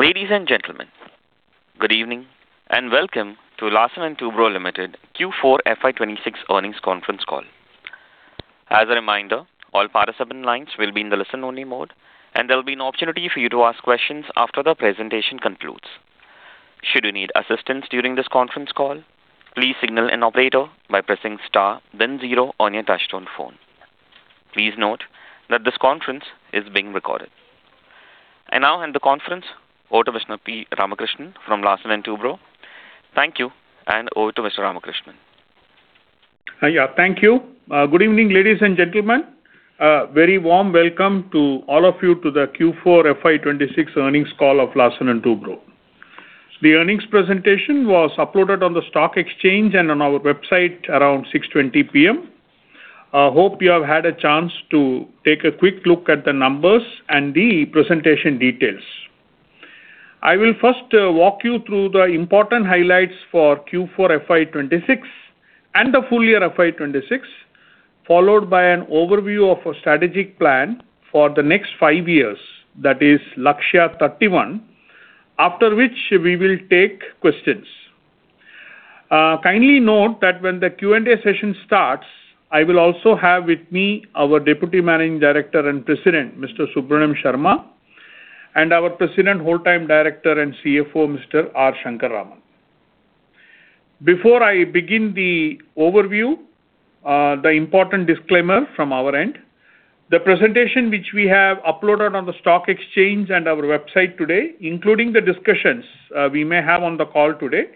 Ladies and gentlemen, good evening, and welcome to Larsen & Toubro Limited Q4 FY 2026 earnings conference call. As a reminder, all participant lines will be in the listen-only mode, and there'll be an opportunity for you to ask questions after the presentation concludes. Should you need assistance during this conference call, please signal an operator by pressing star then zero on your touchtone phone. Please note that this conference is being recorded. I now hand the conference over to Mr. P. Ramakrishnan from Larsen & Toubro. Thank you, and over to Mr. Ramakrishnan. Hi. Thank you. Good evening, ladies and gentlemen. Very warm welcome to all of you to the Q4 FY 2026 earnings call of Larsen & Toubro. The earnings presentation was uploaded on the stock exchange and on our website around 6:20 P.M. I hope you have had a chance to take a quick look at the numbers and the presentation details. I will first walk you through the important highlights for Q4 FY 2026 and the full-year FY 2026, followed by an overview of our strategic plan for the next five years. That is Lakshya 2031. After which we will take questions. Kindly note that when the Q&A session starts, I will also have with me our Deputy Managing Director and President, Subramanian Sarma, and our President Whole-time Director and CFO, R. Shankar Raman. Before I begin the overview, the important disclaimer from our end. The presentation which we have uploaded on the stock exchange and our website today, including the discussions, we may have on the call today,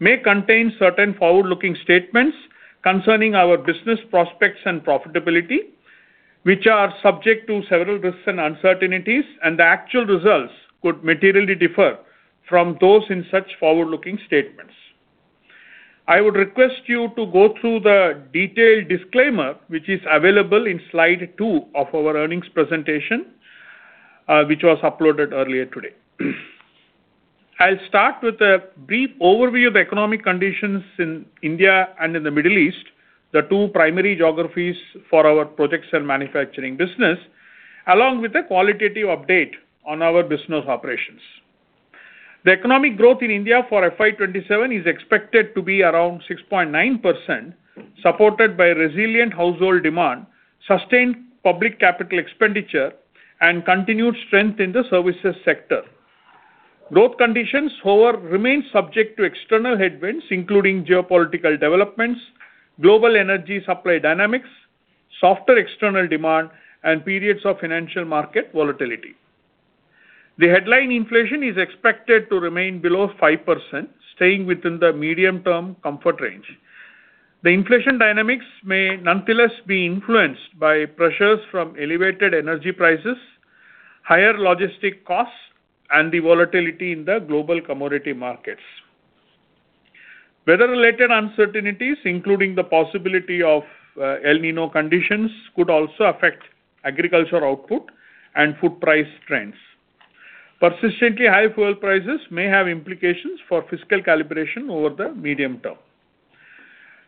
may contain certain forward-looking statements concerning our business prospects and profitability, which are subject to several risks and uncertainties, and the actual results could materially differ from those in such forward-looking statements. I would request you to go through the detailed disclaimer which is available in slide two of our earnings presentation, which was uploaded earlier today. I'll start with a brief overview of economic conditions in India and in the Middle East, the two primary geographies for our projects and manufacturing business, along with a qualitative update on our business operations. The economic growth in India for FY 2027 is expected to be around 6.9%, supported by resilient household demand, sustained public CapEx, and continued strength in the services sector. Growth conditions, however, remain subject to external headwinds, including geopolitical developments, global energy supply dynamics, softer external demand, and periods of financial market volatility. The headline inflation is expected to remain below 5%, staying within the medium-term comfort range. The inflation dynamics may nonetheless be influenced by pressures from elevated energy prices, higher logistic costs, and the volatility in the global commodity markets. Weather-related uncertainties, including the possibility of El Niño conditions, could also affect agricultural output and food price trends. Persistently high fuel prices may have implications for fiscal calibration over the medium term.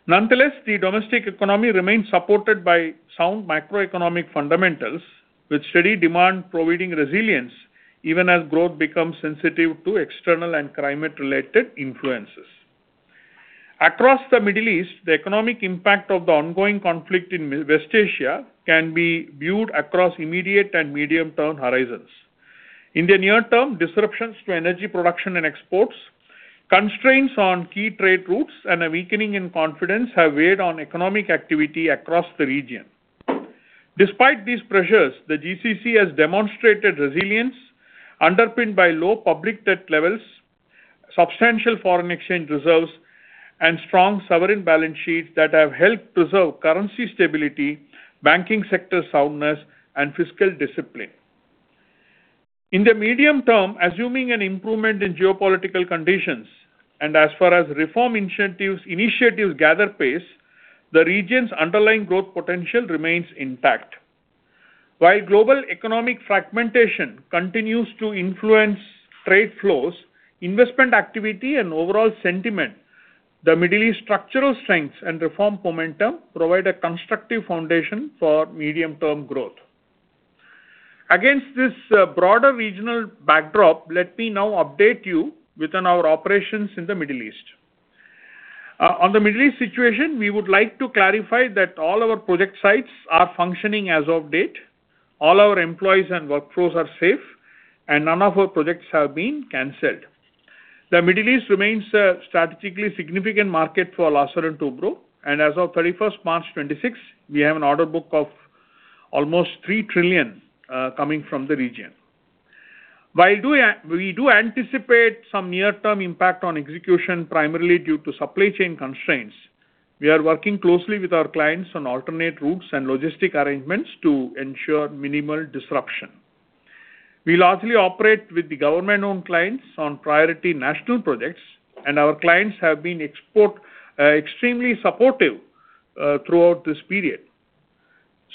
Nonetheless, the domestic economy remains supported by sound macroeconomic fundamentals, with steady demand providing resilience even as growth becomes sensitive to external and climate-related influences. Across the Middle East, the economic impact of the ongoing conflict in West Asia can be viewed across immediate and medium-term horizons. In the near term, disruptions to energy production and exports, constraints on key trade routes, and a weakening in confidence have weighed on economic activity across the region. Despite these pressures, the GCC has demonstrated resilience underpinned by low public debt levels, substantial foreign exchange reserves, and strong sovereign balance sheets that have helped preserve currency stability, banking sector soundness, and fiscal discipline. In the medium term, assuming an improvement in geopolitical conditions, as far as reform initiatives gather pace, the region's underlying growth potential remains intact. While global economic fragmentation continues to influence trade flows, investment activity, and overall sentiment, the Middle East structural strengths and reform momentum provide a constructive foundation for medium-term growth. Against this broader regional backdrop, let me now update you within our operations in the Middle East. On the Middle East situation, we would like to clarify that all our project sites are functioning as of date. All our employees and workflows are safe, and none of our projects have been canceled. The Middle East remains a strategically significant market for Larsen & Toubro, and as of 31st March 2026, we have an order book of almost 3 trillion coming from the region. While we do anticipate some near-term impact on execution, primarily due to supply chain constraints, we are working closely with our clients on alternate routes and logistic arrangements to ensure minimal disruption. We largely operate with the government-owned clients on priority national projects, and our clients have been extremely supportive throughout this period.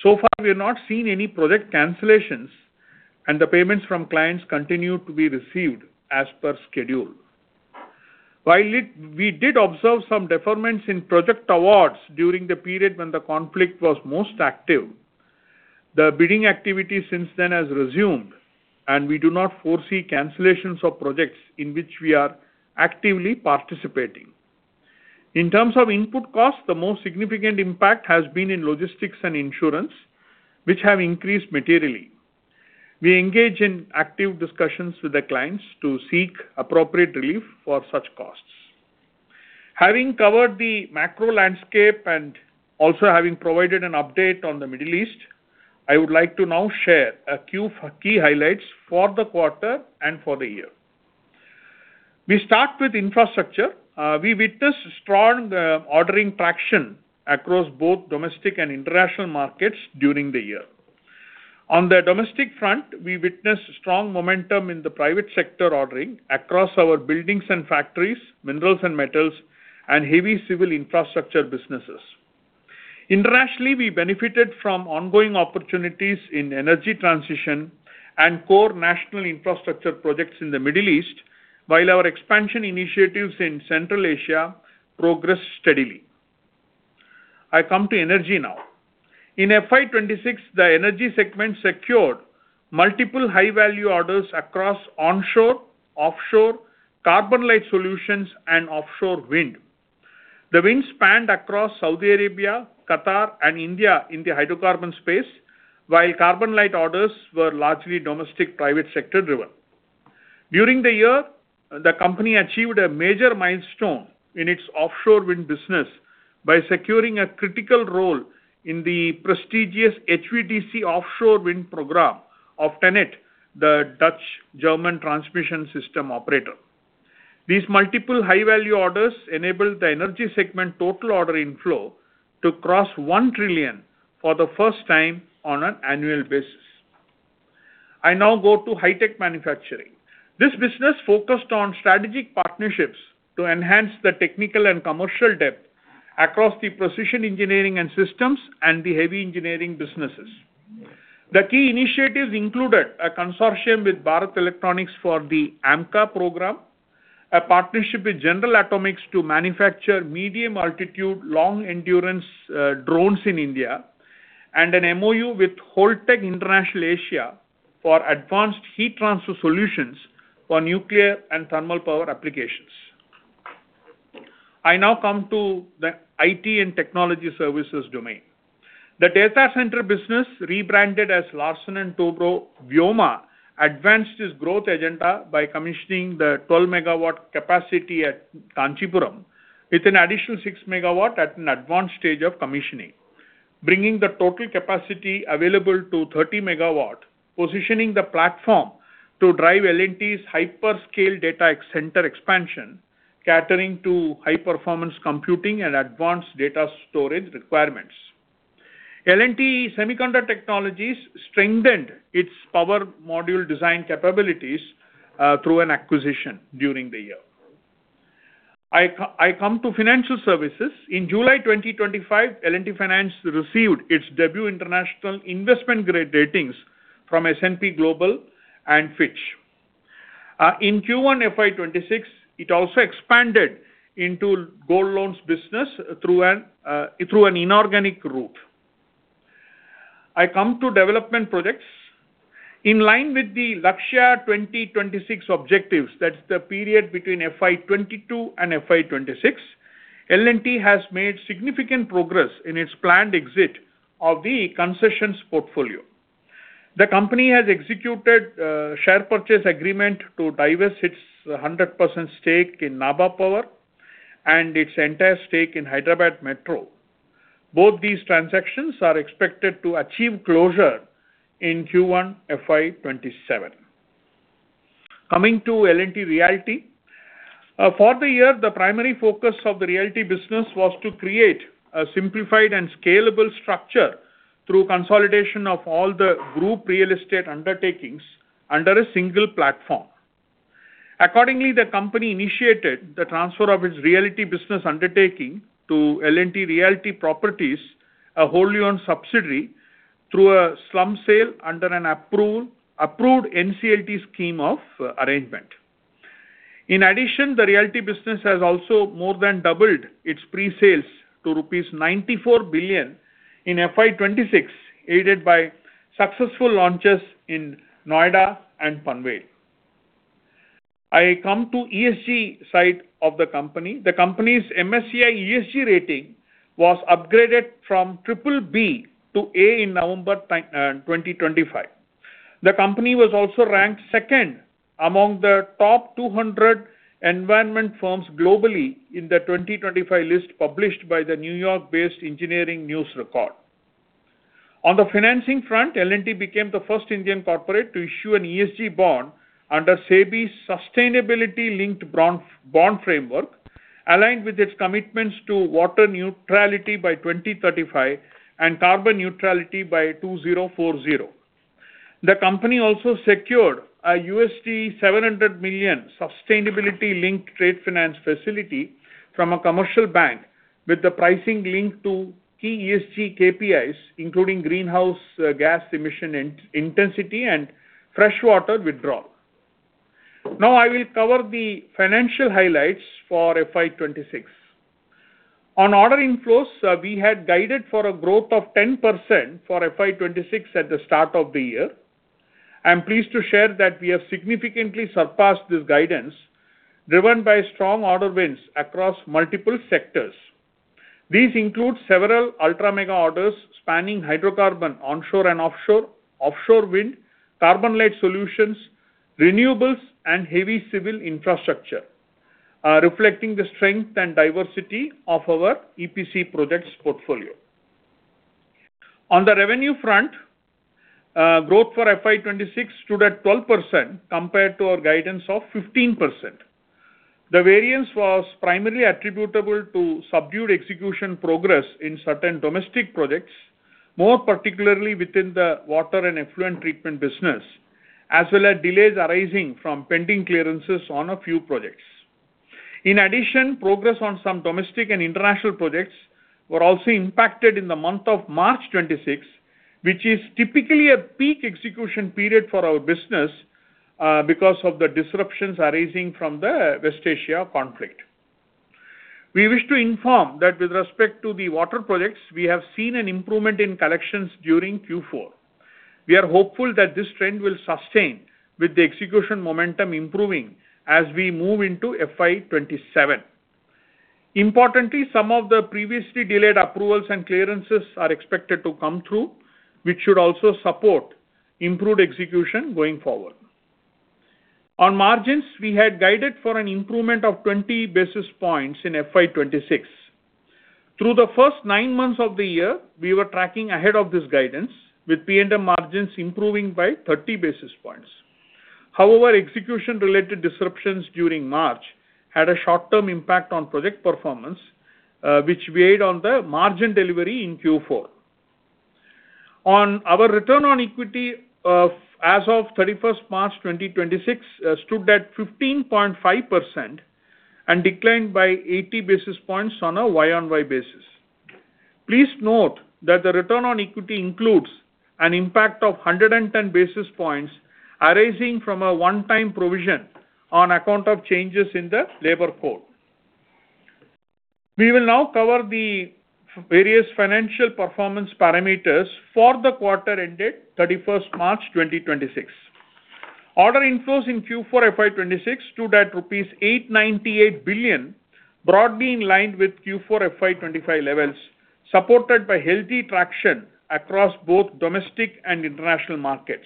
So far, we have not seen any project cancellations, and the payments from clients continue to be received as per schedule. While we did observe some deferments in project awards during the period when the conflict was most active. The bidding activity since then has resumed, and we do not foresee cancellations of projects in which we are actively participating. In terms of input costs, the most significant impact has been in logistics and insurance, which have increased materially. We engage in active discussions with the clients to seek appropriate relief for such costs. Having covered the macro landscape and also having provided an update on the Middle East, I would like to now share a few key highlights for the quarter and for the year. We start with infrastructure. We witnessed strong ordering traction across both domestic and international markets during the year. On the domestic front, we witnessed strong momentum in the private sector ordering across our buildings and factories, minerals and metals, and heavy civil infrastructure businesses. Internationally, we benefited from ongoing opportunities in energy transition and core national infrastructure projects in the Middle East, while our expansion initiatives in Central Asia progressed steadily. I come to energy now. In FY 2026, the energy segment secured multiple high-value orders across onshore, offshore, carbon light solutions and offshore wind. The wind spanned across Saudi Arabia, Qatar, and India in the hydrocarbon space, while carbon light orders were largely domestic private sector-driven. During the year, the company achieved a major milestone in its offshore wind business by securing a critical role in the prestigious HVDC offshore wind program of TenneT, the Dutch German transmission system operator. These multiple high-value orders enabled the energy segment total order inflow to cross 1 trillion for the first time on an annual basis. I now go to high-tech manufacturing. This business focused on strategic partnerships to enhance the technical and commercial depth across the Precision Engineering and Systems and the heavy engineering businesses. The key initiatives included a consortium with Bharat Electronics for the AMCA program, a partnership with General Atomics to manufacture medium altitude, long endurance, drones in India, and an MOU with Holtec International Asia for advanced heat transfer solutions for nuclear and thermal power applications. I now come to the IT and technology services domain. The data center business rebranded as Larsen & Toubro Vyoma advanced its growth agenda by commissioning the 12 MW capacity at Kanchipuram with an additional 6 MW at an advanced stage of commissioning, bringing the total capacity available to 30 MW, positioning the platform to drive L&T's hyperscale data center expansion, catering to high-performance computing and advanced data storage requirements. L&T Semiconductor Technologies strengthened its power module design capabilities through an acquisition during the year. I come to financial services. In July 2025, L&T Finance received its debut international investment grade ratings from S&P Global and Fitch. In Q1 FY 2026, it also expanded into gold loans business through an inorganic route. I come to development projects. In line with the Lakshya 2026 objectives, that's the period between FY 2022 and FY 2026, L&T has made significant progress in its planned exit of the concessions portfolio. The company has executed a share purchase agreement to divest its 100% stake in Nabha Power and its entire stake in Hyderabad Metro. Both these transactions are expected to achieve closure in Q1 FY 2027. Coming to L&T Realty. For the year, the primary focus of the Realty business was to create a simplified and scalable structure through consolidation of all the group real estate undertakings under a single platform. Accordingly, the company initiated the transfer of its Realty business undertaking to L&T Realty Properties, a wholly owned subsidiary, through a slump sale under an approved NCLT scheme of arrangement. In addition, the Realty business has also more than doubled its pre-sales to 94 billion rupees in FY 2026, aided by successful launches in Noida and Panvel. I come to ESG side of the company. The company's MSCI ESG rating was upgraded from triple B to A in November 2025. The company was also ranked second among the top 200 environment firms globally in the 2025 list published by the New York-based Engineering News-Record. On the financing front, L&T became the first Indian corporate to issue an ESG bond under SEBI's sustainability-linked bond framework, aligned with its commitments to water neutrality by 2035 and carbon neutrality by 2040. The company also secured a $700 million sustainability-linked trade finance facility from a commercial bank. With the pricing linked to key ESG KPIs, including greenhouse gas emission intensity and freshwater withdrawal. I will cover the financial highlights for FY 2026. On order inflows, we had guided for a growth of 10% for FY 2026 at the start of the year. I'm pleased to share that we have significantly surpassed this guidance, driven by strong order wins across multiple sectors. These include several ultra-mega orders spanning hydrocarbon onshore and offshore wind, carbon-light solutions, renewables, and heavy civil infrastructure, reflecting the strength and diversity of our EPC projects portfolio. On the revenue front, growth for FY 2026 stood at 12% compared to our guidance of 15%. The variance was primarily attributable to subdued execution progress in certain domestic projects, more particularly within the water and effluent treatment business, as well as delays arising from pending clearances on a few projects. In addition, progress on some domestic and international projects were also impacted in the month of March 2026, which is typically a peak execution period for our business, because of the disruptions arising from the West Asia conflict. We wish to inform that with respect to the water projects, we have seen an improvement in collections during Q4. We are hopeful that this trend will sustain with the execution momentum improving as we move into FY 2027. Importantly, some of the previously delayed approvals and clearances are expected to come through, which should also support improved execution going forward. On margins, we had guided for an improvement of 20 basis points in FY 2026. Through the first nine months of the year, we were tracking ahead of this guidance, with P&M margins improving by 30 basis points. However, execution-related disruptions during March had a short-term impact on project performance, which weighed on the margin delivery in Q4. On our return on equity of, as of March 31st, 2026, stood at 15.5% and declined by 80 basis points on a year-over-year basis. Please note that the return on equity includes an impact of 110 basis points arising from a one-time provision on account of changes in the labor code. We will now cover the various financial performance parameters for the quarter ended March 31st, 2026. Order inflows in Q4 FY 2026 stood at INR 898 billion, broadly in line with Q4 FY 2025 levels, supported by healthy traction across both domestic and international markets.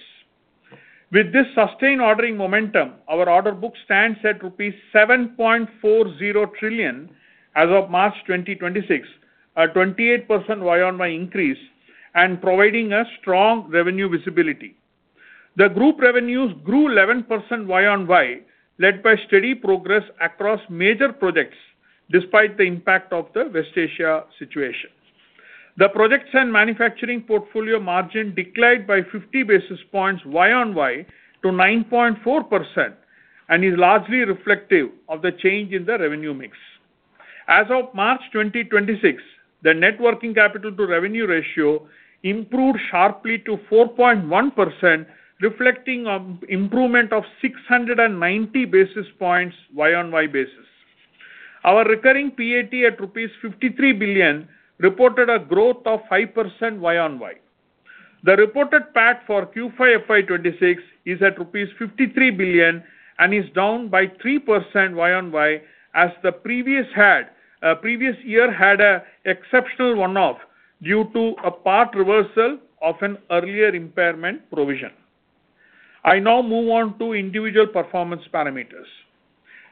With this sustained ordering momentum, our order book stands at rupees 7.40 trillion as of March 2026, a 28% year-over-year increase and providing a strong revenue visibility. The group revenues grew 11% year-over-year, led by steady progress across major projects despite the impact of the West Asia situation. The projects and manufacturing portfolio margin declined by 50 basis points year-over-year to 9.4% and is largely reflective of the change in the revenue mix. As of March 2026, the net working capital to revenue ratio improved sharply to 4.1%, reflecting a improvement of 690 basis points year-over-year basis. Our recurring PAT at 53 billion rupees reported a growth of 5% year-over-year. The reported PAT for Q4 FY 2026 is at INR 53 billion and is down by 3% Y-on-Y as the previous year had an exceptional one-off due to a part reversal of an earlier impairment provision. I now move on to individual performance parameters.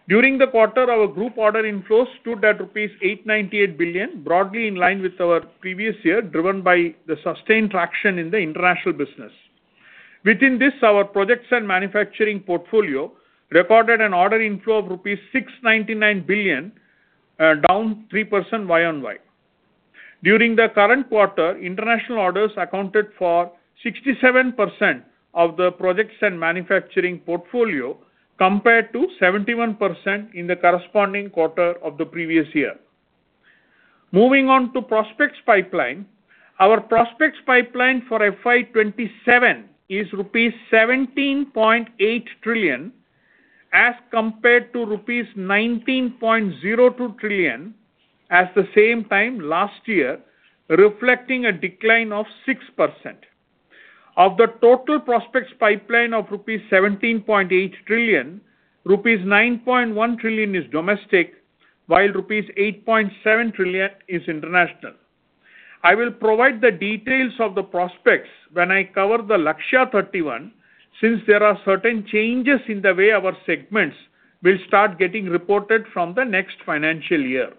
During the quarter, our group order inflows stood at rupees 898 billion, broadly in line with our previous year, driven by the sustained traction in the international business. Within this, our projects and manufacturing portfolio reported an order inflow of rupees 699 billion, down 3% Y-on-Y. During the current quarter, international orders accounted for 67% of the projects and manufacturing portfolio, compared to 71% in the corresponding quarter of the previous year. Moving on to prospects pipeline. Our prospects pipeline for FY 2027 is rupees 17.8 trillion as compared to rupees 19.02 trillion at the same time last year, reflecting a decline of 6%. Of the total prospects pipeline of rupees 17.8 trillion, rupees 9.1 trillion is domestic, while rupees 8.7 trillion is international. I will provide the details of the prospects when I cover the Lakshya 2031 since there are certain changes in the way our segments will start getting reported from the next financial year.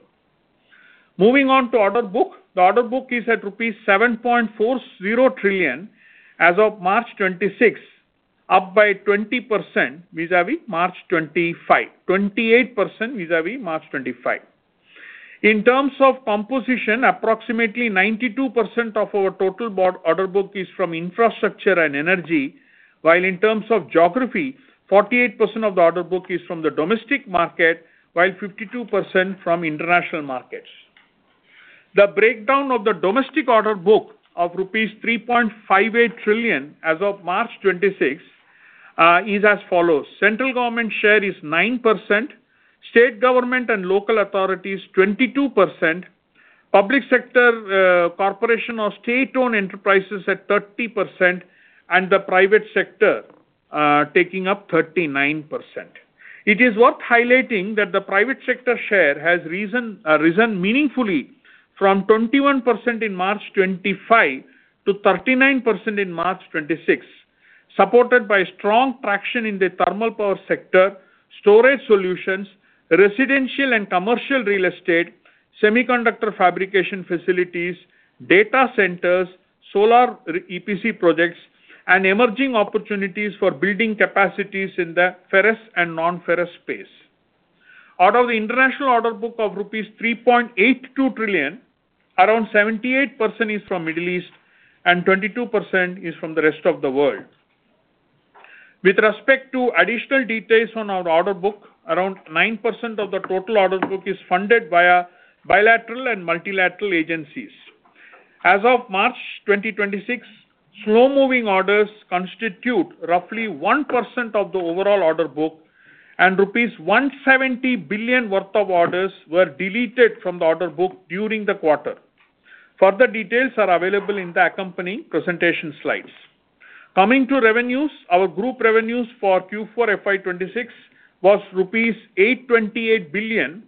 Moving on to order book. The order book is at rupees 7.40 trillion as of March 2026, up by 28% vis-a-vis March 2025. In terms of composition, approximately 92% of our total board order book is from infrastructure and energy, while in terms of geography, 48% of the order book is from the domestic market, while 52% from international markets. The breakdown of the domestic order book of rupees 3.58 trillion as of March 2026, is as follows: Central government share is 9%, state government and local authorities 22%, public sector corporation or state-owned enterprises at 30%, and the private sector taking up 39%. It is worth highlighting that the private sector share has risen meaningfully from 21% in March 2025 to 39% in March 2026, supported by strong traction in the thermal power sector, storage solutions, residential and commercial real estate, semiconductor fabrication facilities, data centers, solar EPC projects, and emerging opportunities for building capacities in the ferrous and non-ferrous space. Out of the international order book of rupees 3.82 trillion, around 78% is from Middle East and 22% is from the rest of the world. With respect to additional details on our order book, around 9% of the total order book is funded via bilateral and multilateral agencies. As of March 2026, slow-moving orders constitute roughly 1% of the overall order book, and rupees 170 billion worth of orders were deleted from the order book during the quarter. Further details are available in the accompanying presentation slides. Coming to revenues, our group revenues for Q4 FY 2026 was INR 828 billion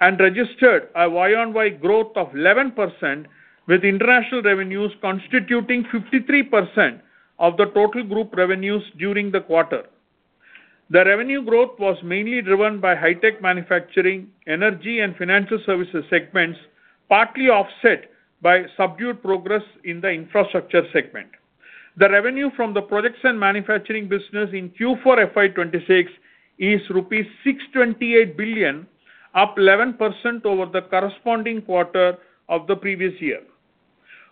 and registered a year-on-year growth of 11% with international revenues constituting 53% of the total group revenues during the quarter. The revenue growth was mainly driven by high-tech manufacturing, energy and financial services segments, partly offset by subdued progress in the infrastructure segment. The revenue from the projects and manufacturing business in Q4 FY 2026 is rupees 628 billion, up 11% over the corresponding quarter of the previous year.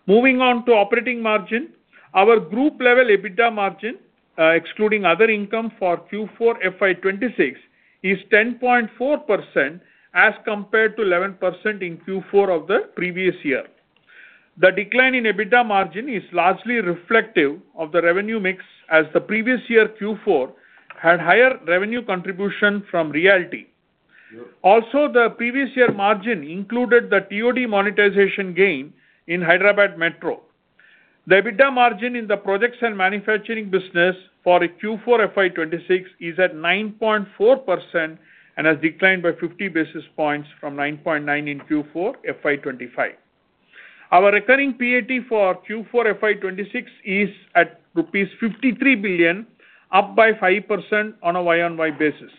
Moving on to operating margin, our group level EBITDA margin, excluding other income for Q4 FY 2026 is 10.4% as compared to 11% in Q4 of the previous year. The decline in EBITDA margin is largely reflective of the revenue mix, as the previous year Q4 had higher revenue contribution from realty. Also, the previous year margin included the TOD monetization gain in Hyderabad Metro. The EBITDA margin in the projects and manufacturing business for Q4 FY 2026 is at 9.4% and has declined by 50 basis points from 9.9% in Q4 FY 2025. Our recurring PAT for Q4 FY 2026 is at rupees 53 billion, up by 5% on a Y-on-Y basis.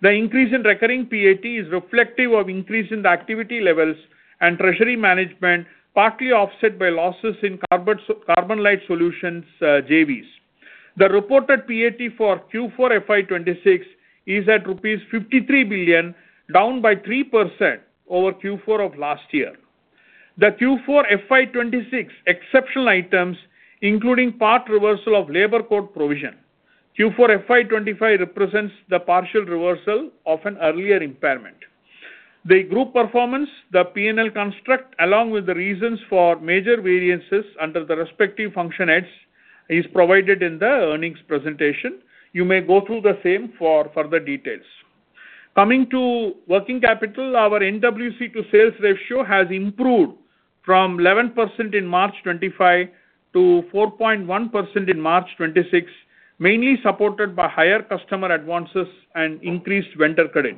The increase in recurring PAT is reflective of increase in the activity levels and treasury management, partly offset by losses in carbon light solutions, JVs. The reported PAT for Q4 FY 2026 is at rupees 53 billion, down by 3% over Q4 of last year. The Q4 FY 2026 exceptional items, including part reversal of labor court provision. Q4 FY 2025 represents the partial reversal of an earlier impairment. The group performance, the P&L construct, along with the reasons for major variances under the respective functional heads is provided in the earnings presentation. You may go through the same for further details. Coming to working capital, our NWC to sales ratio has improved from 11% in March 2025 to 4.1% in March 2026, mainly supported by higher customer advances and increased vendor credit.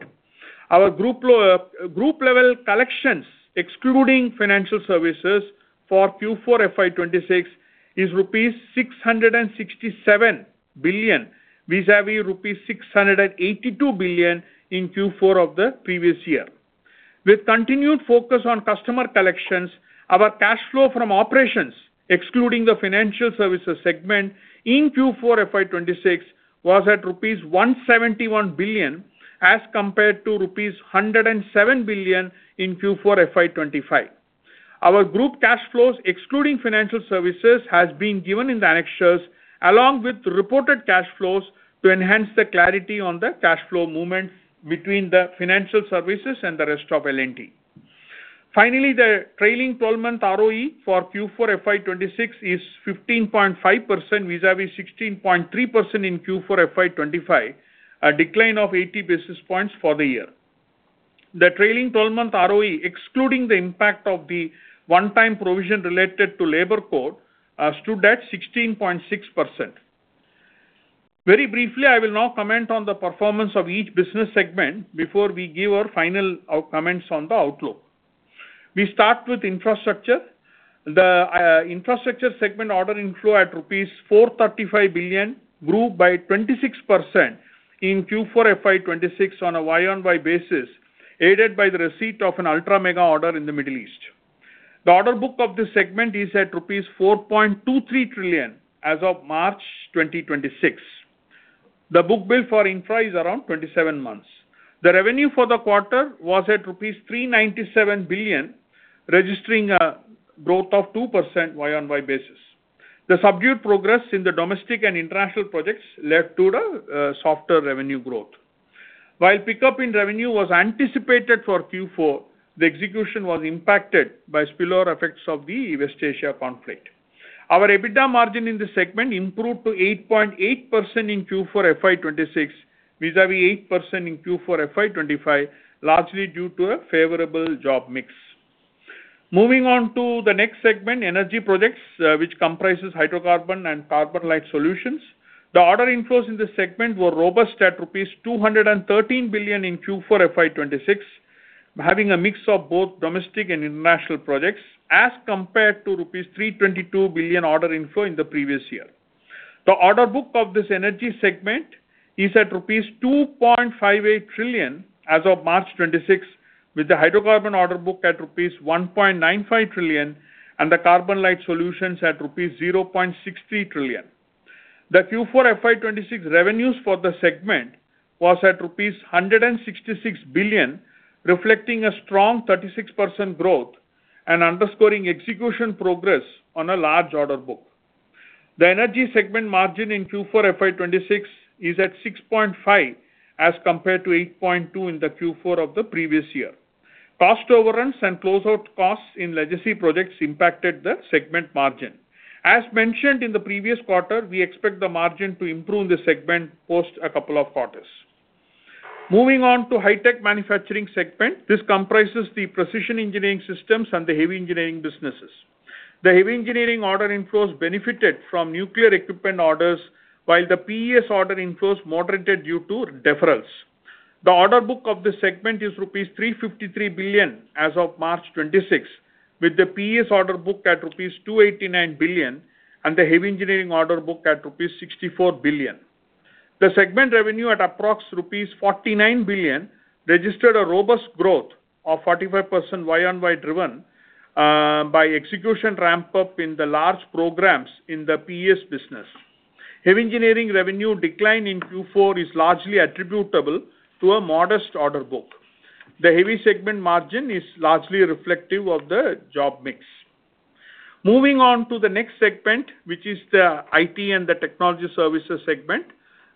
Our group level collections, excluding financial services for Q4 FY 2026 is rupees 667 billion vis-a-vis rupees 682 billion in Q4 of the previous year. With continued focus on customer collections, our cash flow from operations, excluding the financial services segment in Q4 FY 2026 was at rupees 171 billion as compared to rupees 107 billion in Q4 FY 2025. Our group cash flows, excluding financial services, has been given in the annexures along with reported cash flows to enhance the clarity on the cash flow movement between the financial services and the rest of L&T. Finally, the trailing 12 month ROE for Q4 FY 2026 is 15.5% vis-a-vis 16.3% in Q4 FY 2025, a decline of 80 basis points for the year. The trailing 12 month ROE, excluding the impact of the one-time provision related to labor court, stood at 16.6%. Very briefly, I will now comment on the performance of each business segment before we give our final comments on the outlook. We start with infrastructure. The infrastructure segment order inflow at 435 billion rupees grew by 26% in Q4 FY 2026 on a Y-on-Y basis, aided by the receipt of an ultra mega order in the Middle East. The order book of this segment is at rupees 4.23 trillion as of March 2026. The book-to-bill for infra is around 27 months. The revenue for the quarter was at rupees 397 billion, registering a growth of 2% Y-on-Y basis. The subdued progress in the domestic and international projects led to the softer revenue growth. While pickup in revenue was anticipated for Q4, the execution was impacted by spillover effects of the West Asia conflict. Our EBITDA margin in this segment improved to 8.8% in Q4 FY 2026 vis-à-vis 8% in Q4 FY 2025, largely due to a favorable job mix. Moving on to the next segment, energy projects, which comprises hydrocarbon and carbon light solutions. The order inflows in this segment were robust at INR 213 billion in Q4 FY 2026, having a mix of both domestic and international projects as compared to rupees 322 billion order inflow in the previous year. The order book of this energy segment is at rupees 2.58 trillion as of March 2026, with the hydrocarbon order book at rupees 1.95 trillion and the carbon light solutions at rupees 0.63 trillion. The Q4 FY 2026 revenues for the segment was at rupees 166 billion, reflecting a strong 36% growth and underscoring execution progress on a large order book. The energy segment margin in Q4 FY 2026 is at 6.5% as compared to 8.2% in the Q4 of the previous year. Cost overruns and closeout costs in legacy projects impacted the segment margin. As mentioned in the previous quarter, we expect the margin to improve in this segment post a couple of quarters. Moving on to high-tech manufacturing segment. This comprises the Precision Engineering and Systems and the heavy engineering businesses. The heavy engineering order inflows benefited from nuclear equipment orders while the PES order inflows moderated due to deferrals. The order book of this segment is rupees 353 billion as of March 2026, with the PES order book at rupees 289 billion and the heavy engineering order book at rupees 64 billion. The segment revenue at approx rupees 49 billion registered a robust growth of 45% Y-on-Y driven by execution ramp-up in the large programs in the PES business. Heavy engineering revenue decline in Q4 is largely attributable to a modest order book. The heavy segment margin is largely reflective of the job mix. Moving on to the next segment, which is the IT and the technology services segment,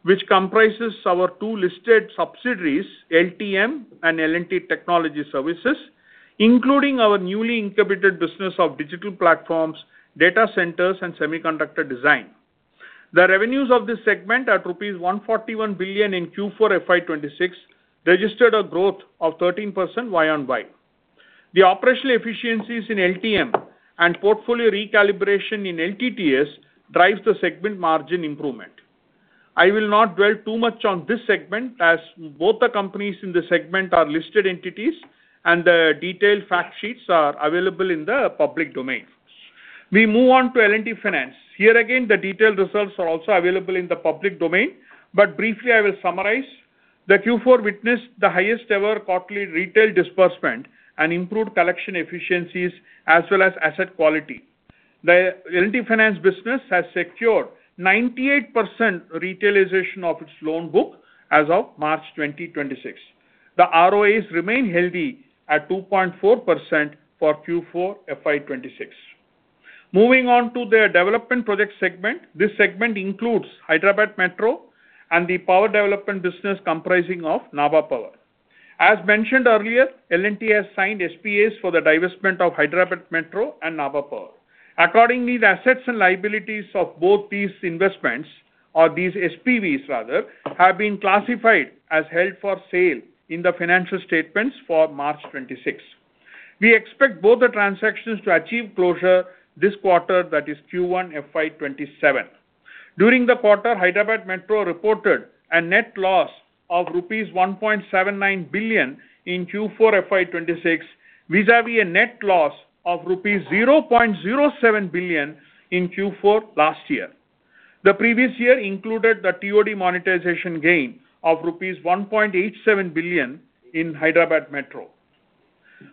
which comprises our two listed subsidiaries, LTM and L&T Technology Services, including our newly incubated business of digital platforms, data centers and semiconductor design. The revenues of this segment at INR 141 billion in Q4 FY 2026 registered a growth of 13% year-over-year. The operational efficiencies in LTM and portfolio recalibration in LTTS drives the segment margin improvement. I will not dwell too much on this segment as both the companies in this segment are listed entities, and the detailed fact sheets are available in the public domain. We move on to L&T Finance. Here again, the detailed results are also available in the public domain. Briefly, I will summarize that Q4 witnessed the highest ever quarterly retail disbursement and improved collection efficiencies as well as asset quality. The L&T Finance business has secured 98% retailization of its loan book as of March 2026. The ROAs remain healthy at 2.4% for Q4 FY 2026. Moving on to the development project segment. This segment includes Hyderabad Metro and the power development business comprising of Nabha Power. As mentioned earlier, L&T has signed SPAs for the divestment of Hyderabad Metro and Nabha Power. Accordingly, the assets and liabilities of both these investments or these SPVs rather, have been classified as held for sale in the financial statements for March 2026. We expect both the transactions to achieve closure this quarter, that is Q1 FY 2027. During the quarter, Hyderabad Metro reported a net loss of rupees 1.79 billion in Q4 FY 2026 vis-à-vis a net loss of rupees 0.07 billion in Q4 last year. The previous year included the TOD monetization gain of rupees 1.87 billion in Hyderabad Metro.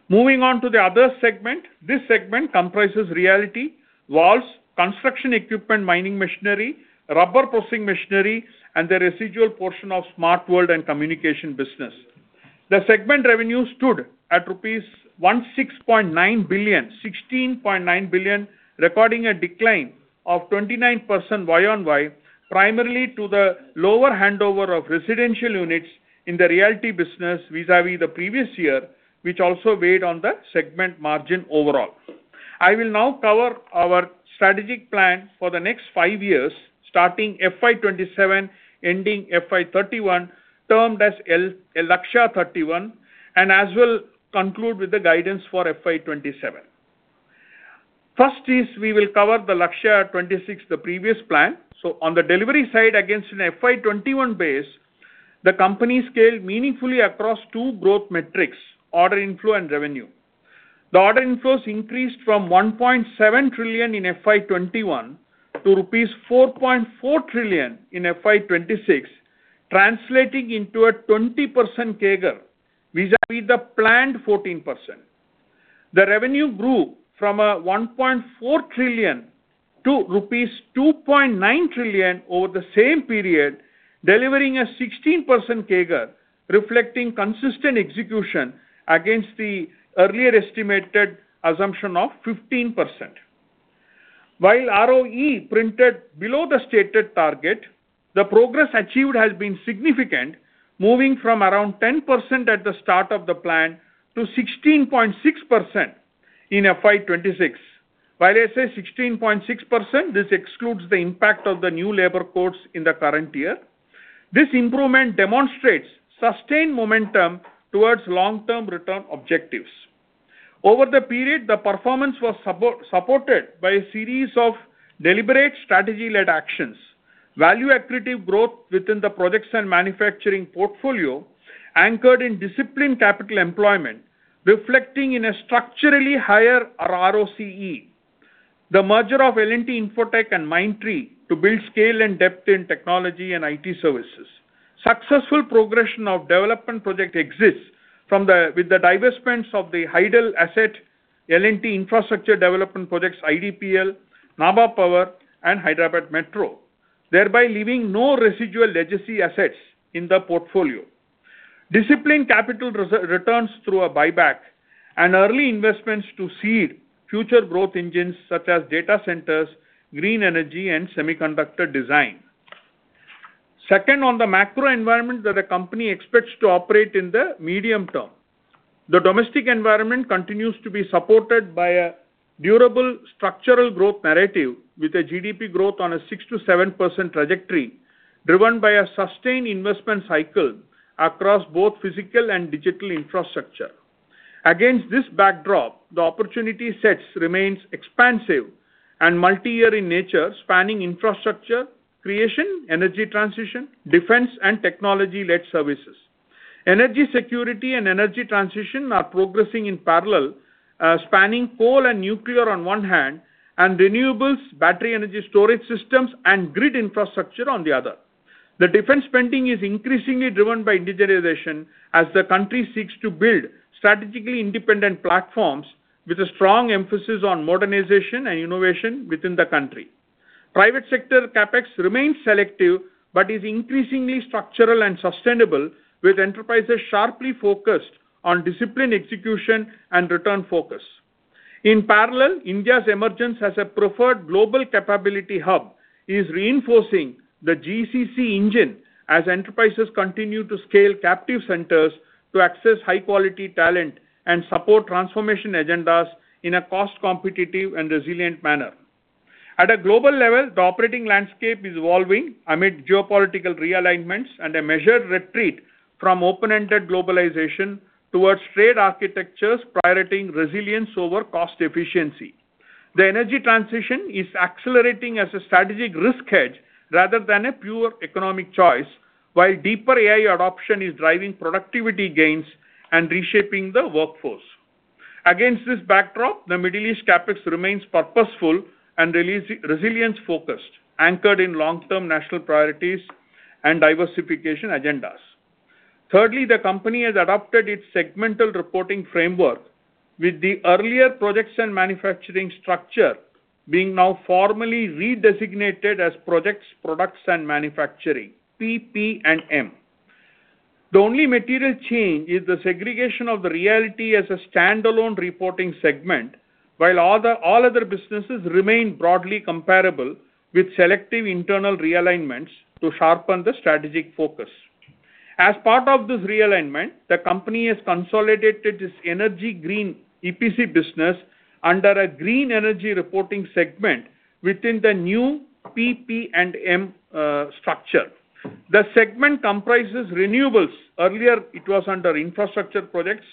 Moving on to the other segment. This segment comprises Realty, Valves, Construction Equipment Mining Machinery, Rubber Processing Machinery and the residual portion of Smart World and Communication business. The segment revenue stood at 16.9 billion, recording a decline of 29% Y-on-Y, primarily to the lower handover of residential units in the Realty business vis-à-vis the previous year, which also weighed on the segment margin overall. I will now cover our strategic plan for the next five years, starting FY 2027, ending FY 2031, termed as Lakshya 2031, and as well conclude with the guidance for FY 2027. First is we will cover the Lakshya 2026, the previous plan. On the delivery side against an FY 2021 base, the company scaled meaningfully across two growth metrics: order inflow and revenue. The order inflows increased from 1.7 trillion in FY 2021 to rupees 4.4 trillion in FY 2026, translating into a 20% CAGR vis-à-vis the planned 14%. The revenue grew from 1.4 trillion to rupees 2.9 trillion over the same period, delivering a 16% CAGR reflecting consistent execution against the earlier estimated assumption of 15%. While ROE printed below the stated target, the progress achieved has been significant, moving from around 10% at the start of the plan to 16.6% in FY 2026. While I say 16.6%, this excludes the impact of the new labor quotes in the current year. This improvement demonstrates sustained momentum towards long-term return objectives. Over the period, the performance was supported by a series of deliberate strategy-led actions. Value accretive growth within the projects and manufacturing portfolio anchored in disciplined capital employment, reflecting in a structurally higher ROCE. The merger of LTIMindtree to build scale and depth in technology and IT services. Successful progression of development project exists with the divestments of the Hyderabad asset, L&T Infrastructure Development Projects IDPL, Nabha Power, and Hyderabad Metro, thereby leaving no residual legacy assets in the portfolio. Disciplined capital returns through a buyback and early investments to seed future growth engines such as data centers, green energy, and semiconductor design. Second, on the macro environment that a company expects to operate in the medium term. The domestic environment continues to be supported by a durable structural growth narrative with a GDP growth on a 6%-7% trajectory, driven by a sustained investment cycle across both physical and digital infrastructure. Against this backdrop, the opportunity sets remains expansive and multi-year in nature, spanning infrastructure creation, energy transition, defense, and technology-led services. Energy security and energy transition are progressing in parallel, spanning coal and nuclear on one hand, and renewables, battery energy storage systems, and grid infrastructure on the other. The defense spending is increasingly driven by digitalization as the country seeks to build strategically independent platforms with a strong emphasis on modernization and innovation within the country. Private sector CapEx remains selective but is increasingly structural and sustainable, with enterprises sharply focused on disciplined execution and return focus. In parallel, India's emergence as a preferred global capability hub is reinforcing the GCC engine as enterprises continue to scale captive centers to access high-quality talent and support transformation agendas in a cost-competitive and resilient manner. At a global level, the operating landscape is evolving amid geopolitical realignments and a measured retreat from open-ended globalization towards trade architectures prioritizing resilience over cost efficiency. The energy transition is accelerating as a strategic risk hedge rather than a pure economic choice, while deeper AI adoption is driving productivity gains and reshaping the workforce. Against this backdrop, the Middle East CapEx remains purposeful and resilience-focused, anchored in long-term national priorities and diversification agendas. Thirdly, the company has adopted its segmental reporting framework, with the earlier projects and manufacturing structure being now formally redesignated as projects, products, and manufacturing, PP&M. The only material change is the segregation of the Realty as a standalone reporting segment, while all other businesses remain broadly comparable with selective internal realignments to sharpen the strategic focus. As part of this realignment, the company has consolidated its energy green EPC business under a green energy reporting segment within the new PP&M structure. The segment comprises renewables. Earlier, it was under infrastructure projects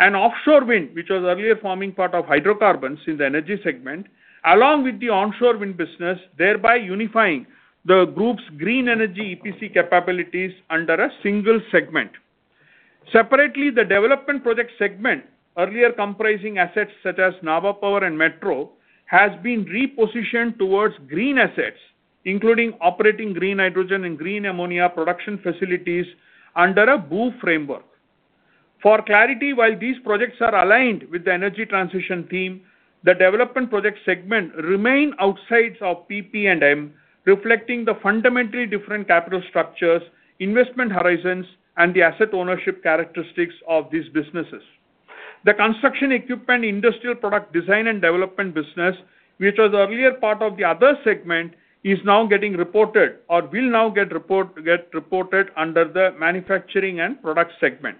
and offshore wind, which was earlier forming part of hydrocarbons in the energy segment, along with the onshore wind business, thereby unifying the group's green energy EPC capabilities under a single segment. Separately, the development project segment, earlier comprising assets such as Nabha Power and Metro, has been repositioned towards green assets, including operating green hydrogen and green ammonia production facilities under a BOO framework. For clarity, while these projects are aligned with the energy transition theme, the development project segment remains outside of PP&M, reflecting the fundamentally different capital structures, investment horizons, and the asset ownership characteristics of these businesses. The construction equipment industrial product design and development business, which was earlier part of the other segment, is now getting reported or will now get reported under the Manufacturing and Product segment.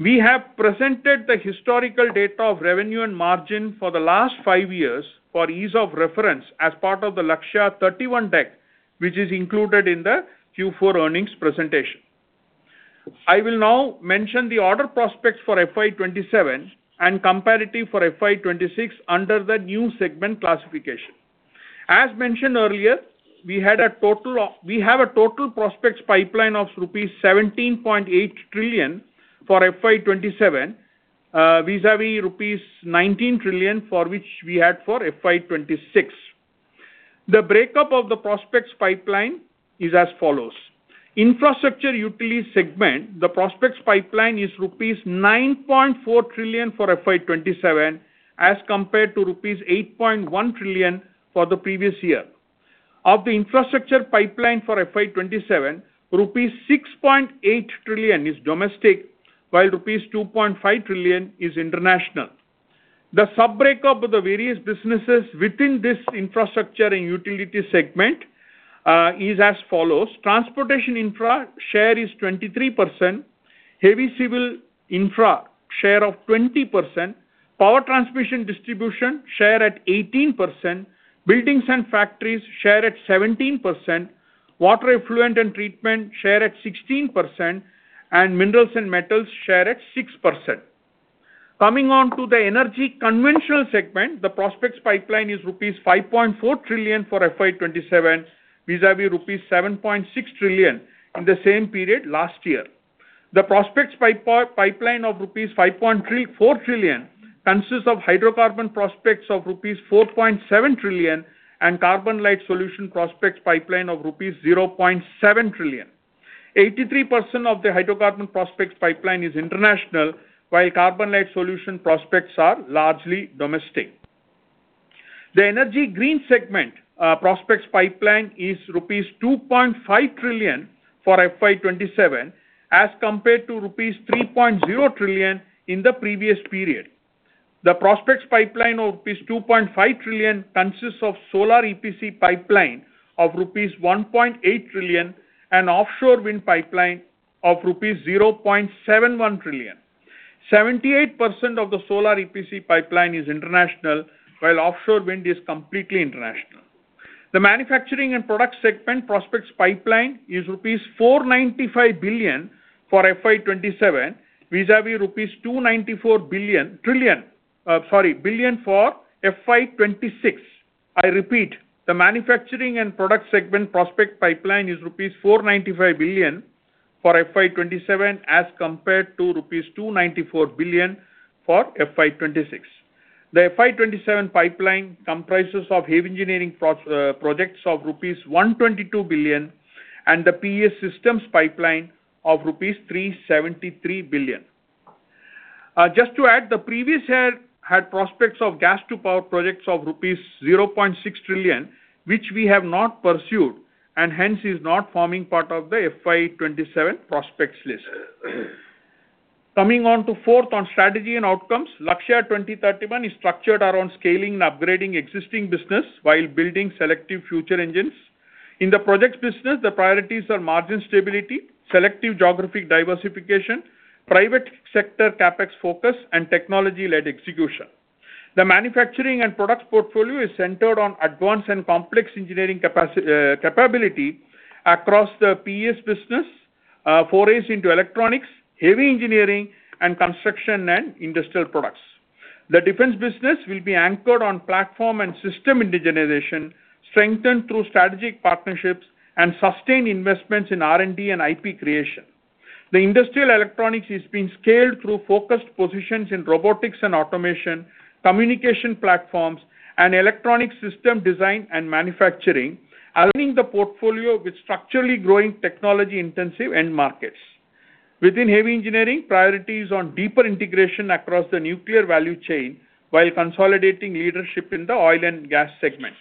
We have presented the historical data of revenue and margin for the last five years for ease of reference as part of the Lakshya 2031 deck, which is included in the Q4 earnings presentation. I will now mention the order prospects for FY 2027 and comparative for FY 2026 under the new segment classification. As mentioned earlier, we have a total prospects pipeline of rupees 17.8 trillion for FY 2027 vis-a-vis rupees 19 trillion for which we had for FY 2026. The breakup of the prospects pipeline is as follows. Infrastructure utilities segment, the prospects pipeline is rupees 9.4 trillion for FY 2027 as compared to rupees 8.1 trillion for the previous year. Of the infrastructure pipeline for FY 2027, rupees 6.8 trillion is domestic, while rupees 2.5 trillion is international. The sub-breakup of the various businesses within this infrastructure and utility segment is as follows. Transportation infra share is 23%. Heavy civil infra share of 20%. Power transmission distribution share at 18%. Buildings and factories share at 17%. Water effluent and treatment share at 16%. Minerals and metals share at 6%. Coming on to the energy conventional segment, the prospects pipeline is rupees 5.4 trillion for FY 2027 vis-à-vis rupees 7.6 trillion in the same period last year. The prospects pipeline of rupees 5.4 trillion consists of hydrocarbon prospects of rupees 4.7 trillion and carbon light solution prospects pipeline of rupees 0.7 trillion. 83% of the hydrocarbon prospects pipeline is international, while carbon light solution prospects are largely domestic. The energy green segment prospects pipeline is rupees 2.5 trillion for FY 2027 as compared to rupees 3.0 trillion in the previous period. The prospects pipeline of rupees 2.5 trillion consists of solar EPC pipeline of rupees 1.8 trillion and offshore wind pipeline of rupees 0.71 trillion. 78% of the solar EPC pipeline is international, while offshore wind is completely international. The manufacturing and product segment prospects pipeline is rupees 495 billion for FY 2027 vis-à-vis rupees 294 billion for FY 2026. I repeat, the manufacturing and product segment prospect pipeline is rupees 495 billion for FY 2027 as compared to rupees 294 billion for FY 2026. The FY 2027 pipeline comprises of heavy engineering projects of rupees 122 billion and the PES pipeline of rupees 373 billion. Just to add, the previous year had prospects of gas to power projects of rupees 0.6 trillion, which we have not pursued and hence is not forming part of the FY 2027 prospects list. Coming on to fourth on strategy and outcomes. Lakshya 2031 is structured around scaling and upgrading existing business while building selective future engines. In the projects business, the priorities are margin stability, selective geographic diversification, private sector CapEx focus, and technology-led execution. The manufacturing and products portfolio is centered on advanced and complex engineering capability across the PES business, forays into electronics, heavy engineering and construction and industrial products. The defense business will be anchored on platform and system indigenization, strengthened through strategic partnerships and sustained investments in R&D and IP creation. The industrial electronics is being scaled through focused positions in robotics and automation, communication platforms and electronic system design and manufacturing, aligning the portfolio with structurally growing technology-intensive end markets. Within heavy engineering, priority is on deeper integration across the nuclear value chain while consolidating leadership in the oil and gas segment.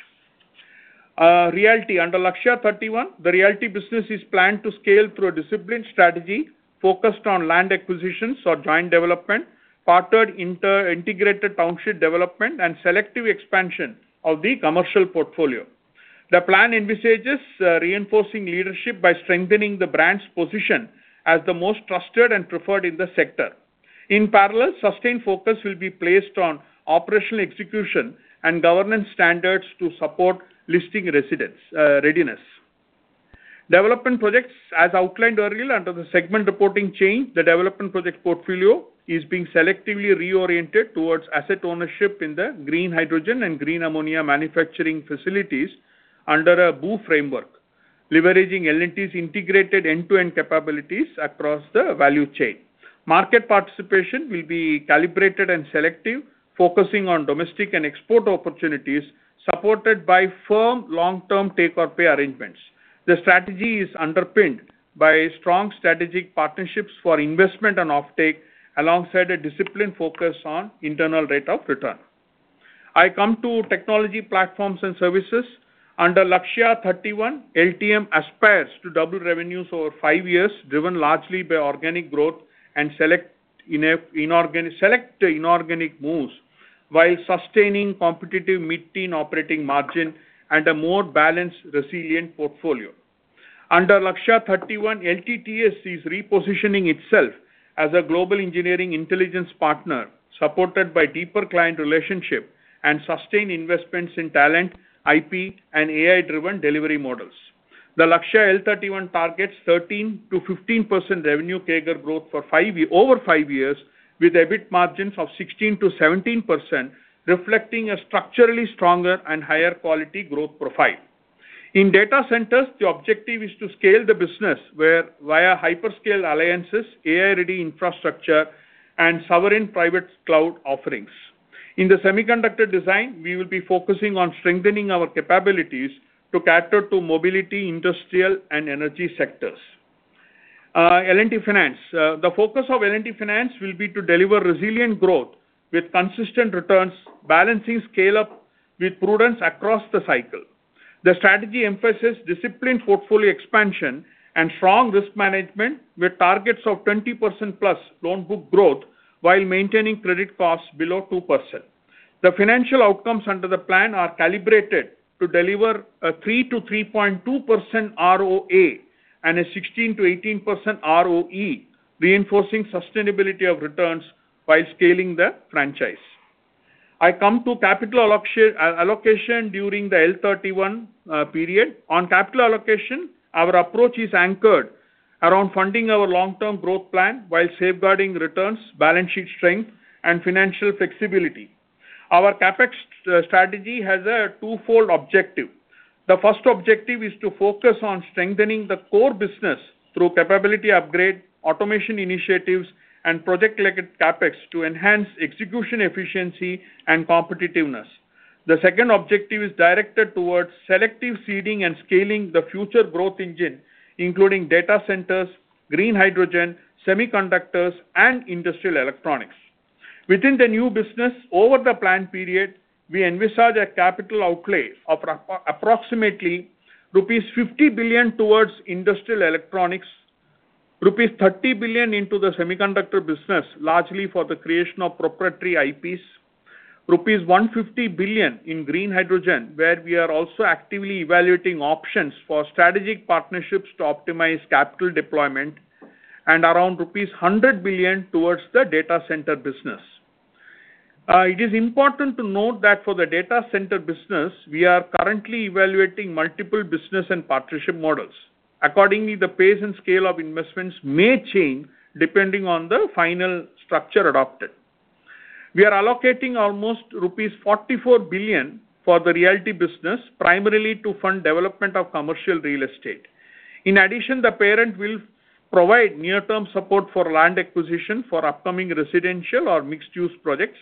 Realty under Lakshya 2031, the realty business is planned to scale through a disciplined strategy focused on land acquisitions or joint development, partnered integrated township development and selective expansion of the commercial portfolio. The plan envisages reinforcing leadership by strengthening the brand's position as the most trusted and preferred in the sector. In parallel, sustained focus will be placed on operational execution and governance standards to support listing residence readiness. Development projects. As outlined earlier under the segment reporting change, the development project portfolio is being selectively reoriented towards asset ownership in the green hydrogen and green ammonia manufacturing facilities under a BOO framework, leveraging L&T's integrated end-to-end capabilities across the value chain. Market participation will be calibrated and selective, focusing on domestic and export opportunities supported by firm long-term take-or-pay arrangements. The strategy is underpinned by strong strategic partnerships for investment and offtake, alongside a disciplined focus on internal rate of return. I come to technology platforms and services. Under Lakshya 2031, LTM aspires to double revenues over five years, driven largely by organic growth and select inorganic moves while sustaining competitive mid-teen operating margin and a more balanced, resilient portfolio. Under Lakshya 2031, LTTS is repositioning itself as a global engineering intelligence partner, supported by deeper client relationship and sustained investments in talent, IP and AI-driven delivery models. The Lakshya L31 targets 13%-15% revenue CAGR growth over five years with EBIT margins of 16%-17%, reflecting a structurally stronger and higher quality growth profile. In data centers, the objective is to scale the business where via hyperscale alliances, AI-ready infrastructure and sovereign private cloud offerings. In the semiconductor design, we will be focusing on strengthening our capabilities to cater to mobility, industrial and energy sectors. L&T Finance. The focus of L&T Finance will be to deliver resilient growth with consistent returns balancing scale-up with prudence across the cycle. The strategy emphasis discipline portfolio expansion and strong risk management with targets of 20% plus loan book growth while maintaining credit costs below 2%. The financial outcomes under the plan are calibrated to deliver a 3%-3.2% ROA and a 16%-18% ROE, reinforcing sustainability of returns while scaling the franchise. I come to capital allocation during the L31 period. On capital allocation, our approach is anchored around funding our long-term growth plan while safeguarding returns, balance sheet strength and financial flexibility. Our CapEx strategy has a twofold objective. The first objective is to focus on strengthening the core business through capability upgrade, automation initiatives and project-linked CapEx to enhance execution efficiency and competitiveness. The second objective is directed towards selective seeding and scaling the future growth engine, including data centers, green hydrogen, semiconductors and industrial electronics. Within the new business over the plan period, we envisage a capital outlay of approximately rupees 50 billion towards industrial electronics, rupees 30 billion into the semiconductor business, largely for the creation of proprietary IPs, rupees 150 billion in green hydrogen, where we are also actively evaluating options for strategic partnerships to optimize capital deployment, and around rupees 100 billion towards the data center business. It is important to note that for the data center business, we are currently evaluating multiple business and partnership models. Accordingly, the pace and scale of investments may change depending on the final structure adopted. We are allocating almost rupees 44 billion for the Realty business, primarily to fund development of commercial real estate. In addition, the parent will provide near-term support for land acquisition for upcoming residential or mixed-use projects.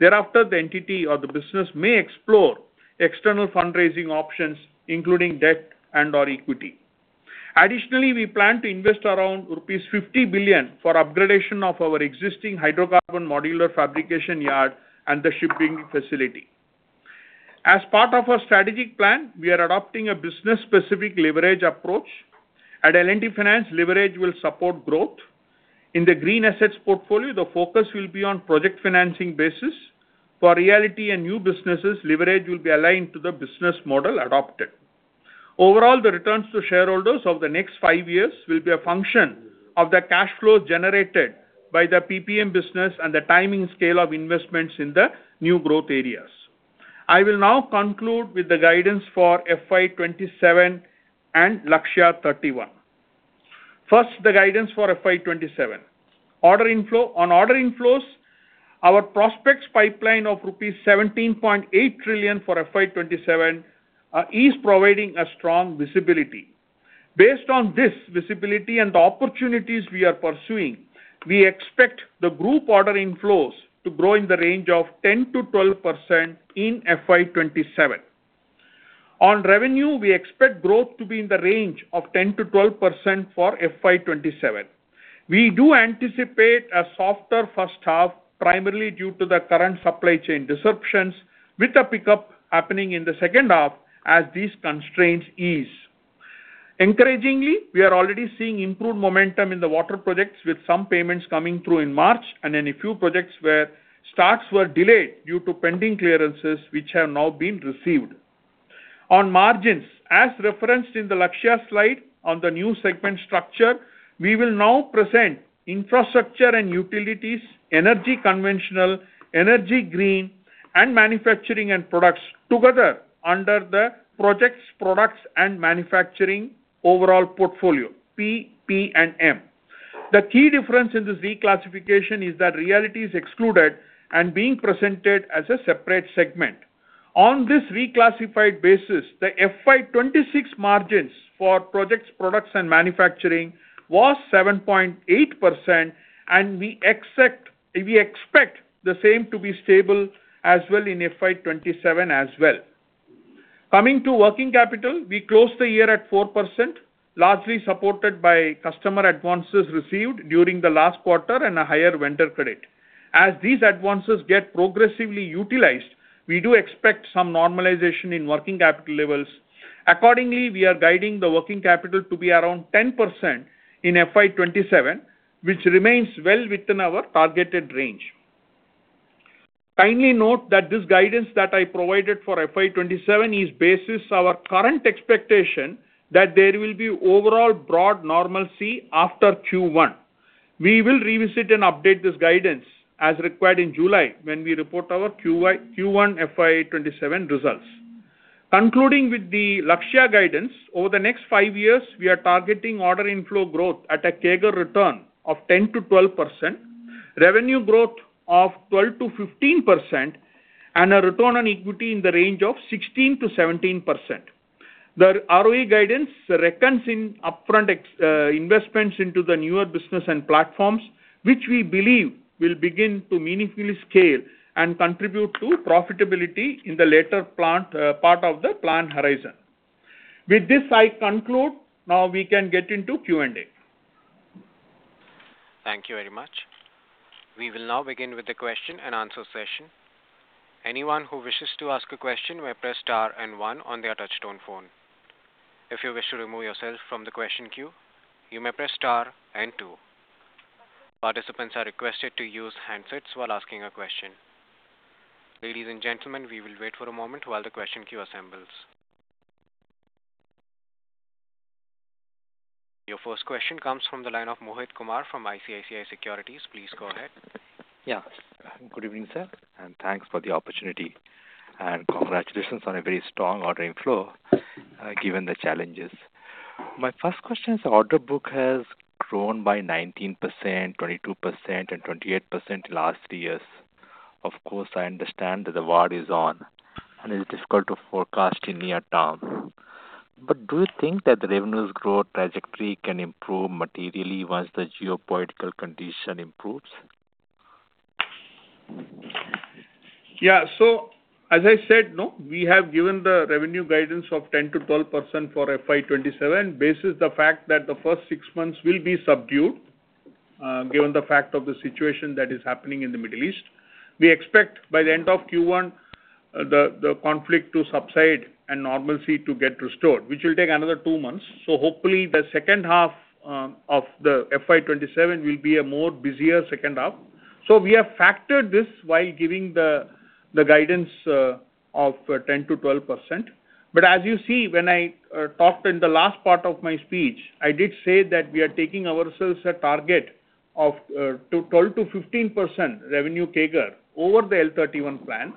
Thereafter, the entity or the business may explore external fundraising options, including debt and/or equity. Additionally, we plan to invest around 50 billion rupees for upgradation of our existing hydrocarbon modular fabrication yard and the shipping facility. As part of our strategic plan, we are adopting a business-specific leverage approach. At L&T Finance, leverage will support growth. In the green assets portfolio, the focus will be on project financing basis. For realty and new businesses, leverage will be aligned to the business model adopted. Overall, the returns to shareholders over the next five years will be a function of the cash flow generated by the PPM business and the timing scale of investments in the new growth areas. I will now conclude with the guidance for FY 2027 and Lakshya 2031. First, the guidance for FY 2027. Order inflow. On order inflows, our prospects pipeline of rupees 17.8 trillion for FY 2027 is providing a strong visibility. Based on this visibility and the opportunities we are pursuing, we expect the group order inflows to grow in the range of 10%-12% in FY 2027. On revenue, we expect growth to be in the range of 10%-12% for FY 2027. We do anticipate a softer first half, primarily due to the current supply chain disruptions, with the pickup happening in the second half as these constraints ease. Encouragingly, we are already seeing improved momentum in the water projects, with some payments coming through in March and in a few projects where starts were delayed due to pending clearances, which have now been received. On margins, as referenced in the Lakshya slide on the new segment structure, we will now present Infrastructure and Utilities, Energy Conventional, Energy Green and Manufacturing and Products together under the Projects, Products and Manufacturing overall portfolio, PP&M. The key difference in this reclassification is that realty is excluded and being presented as a separate segment. On this reclassified basis, the FY 2026 margins for Projects, Products and Manufacturing was 7.8%, and we expect the same to be stable as well in FY 2027 as well. Coming to working capital, we closed the year at 4%, largely supported by customer advances received during the last quarter and a higher vendor credit. As these advances get progressively utilized, we do expect some normalization in working capital levels. Accordingly, we are guiding the working capital to be around 10% in FY 2027, which remains well within our targeted range. Finally, note that this guidance that I provided for FY 2027 is basis our current expectation that there will be overall broad normalcy after Q1. We will revisit and update this guidance as required in July when we report our Q1 FY 2027 results. Concluding with the Lakshya guidance, over the next five years, we are targeting order inflow growth at a CAGR return of 10%-12%, revenue growth of 12%-15% and a return on equity in the range of 16%-17%. The ROE guidance reckons in upfront investments into the newer business and platforms, which we believe will begin to meaningfully scale and contribute to profitability in the later part of the plan horizon. With this, I conclude. Now we can get into Q&A. Thank you very much. We will now begin with the question and answer session. Anyone who wishes to ask a question may press star and one on their touchtone phone. If you wish to remove yourself from the question queue, you may press star and two. Participants are requested to use handsets while asking a question. Ladies and gentlemen, we will wait for a moment while the question queue assembles. Your first question comes from the line of Mohit Kumar from ICICI Securities. Please go ahead. Yeah. Good evening, sir, and thanks for the opportunity and congratulations on a very strong ordering flow, given the challenges. My first question is the order book has grown by 19%, 22%, and 28% in the last three years. Of course, I understand that the war is on, and it's difficult to forecast in near term. Do you think that the revenues growth trajectory can improve materially once the geopolitical condition improves? As I said, we have given the revenue guidance of 10% to 12% for FY 2027 basis the fact that the first six months will be subdued, given the fact of the situation that is happening in the Middle East. We expect by the end of Q1 the conflict to subside and normalcy to get restored, which will take another two months. Hopefully the second half of the FY 2027 will be a more busier second half. We have factored this while giving the guidance of 10%-12%. As you see, when I talked in the last part of my speech, I did say that we are taking our sales at target of 12%-15% revenue CAGR over the L31 plan.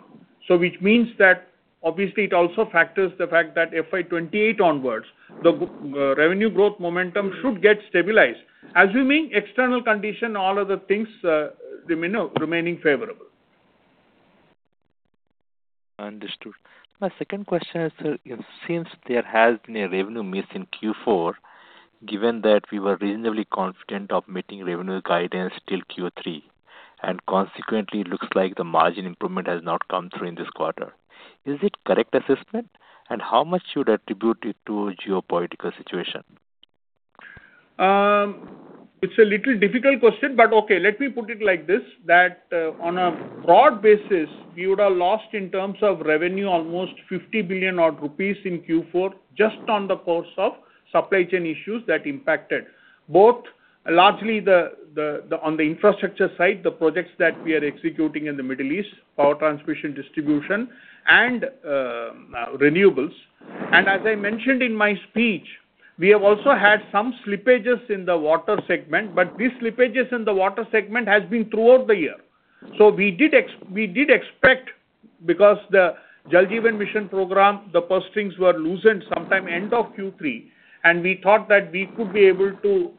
Which means that obviously it also factors the fact that FY 2028 onwards, the revenue growth momentum should get stabilized, assuming external condition, all other things, remaining favorable. Understood. My second question is, sir, since there has been a revenue miss in Q4, given that we were reasonably confident of meeting revenue guidance till Q3, and consequently looks like the margin improvement has not come through in this quarter. Is it correct assessment? How much should attribute it to geopolitical situation? It's a little difficult question. Let me put it like this, on a broad basis, we would have lost in terms of revenue almost 50 billion rupees odd in Q4 just on the course of supply chain issues that impacted both largely the infrastructure side, the projects that we are executing in the Middle East, power transmission distribution and renewables. As I mentioned in my speech, we have also had some slippages in the water segment, but these slippages in the water segment has been throughout the year. We did expect because the Jal Jeevan Mission program, the purse strings were loosened sometime end of Q3, and we thought that we could be able to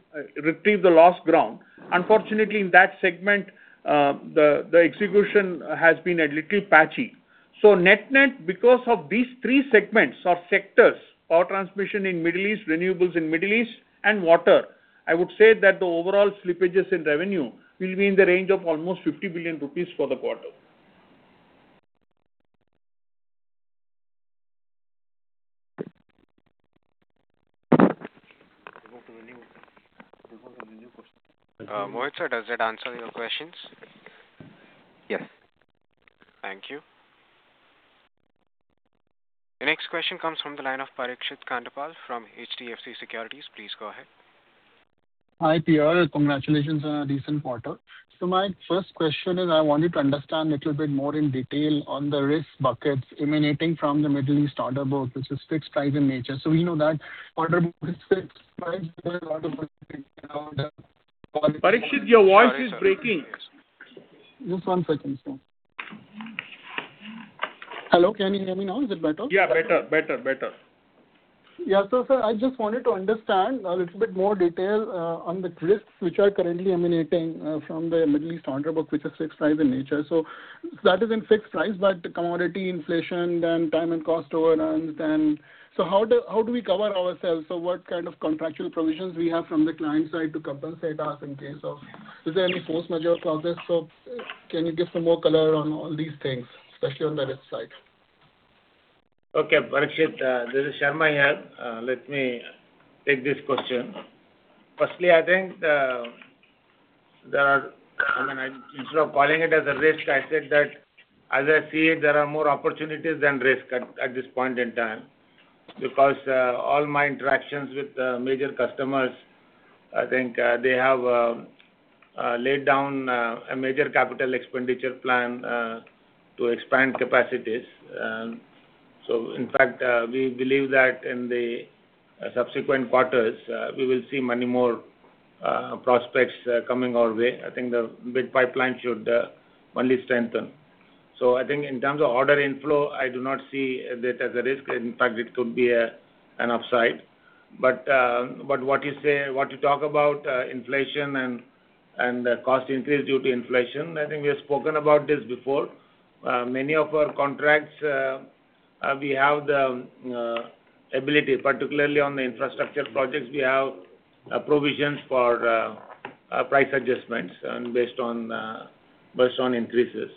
retrieve the lost ground. Unfortunately, in that segment, the execution has been a little patchy. Net-net, because of these three segments or sectors, power transmission in Middle East, renewables in Middle East and water, I would say that the overall slippages in revenue will be in the range of almost 50 billion rupees for the quarter. Mohit, sir, does that answer your questions? Yes. Thank you. The next question comes from the line of Parikshit Kandpal from HDFC Securities. Please go ahead. Hi, P.R. Congratulations on a decent quarter. My first question is I wanted to understand a little bit more in detail on the risk buckets emanating from the Middle East order book, which is fixed price in nature. We know that order book is fixed price. There is a lot of uncertainty around the- Parikshit, your voice is breaking. Just one second, sir. Hello, can you hear me now? Is it better? Yeah, better, better. Sir, I just wanted to understand a little bit more detail on the risks which are currently emanating from the Middle East order book, which is fixed price in nature. That is in fixed price, but commodity inflation, then time and cost overruns, then How do we cover ourselves? What kind of contractual provisions we have from the client side to compensate us in case of? Is there any force majeure progress? Can you give some more color on all these things, especially on the risk side? Okay, Parikshit, this is Sarma here. Let me take this question. I think, I mean, instead of calling it as a risk, I said that as I see it, there are more opportunities than risk at this point in time. All my interactions with the major customers, I think, they have laid down a major capital expenditure plan to expand capacities. In fact, we believe that in the subsequent quarters, we will see many more prospects coming our way. I think the bid pipeline should only strengthen. I think in terms of order inflow, I do not see that as a risk. In fact, it could be an upside. What you say, what you talk about inflation and cost increase due to inflation, I think we have spoken about this before. Many of our contracts, we have the ability, particularly on the infrastructure projects, we have provisions for price adjustments based on increases.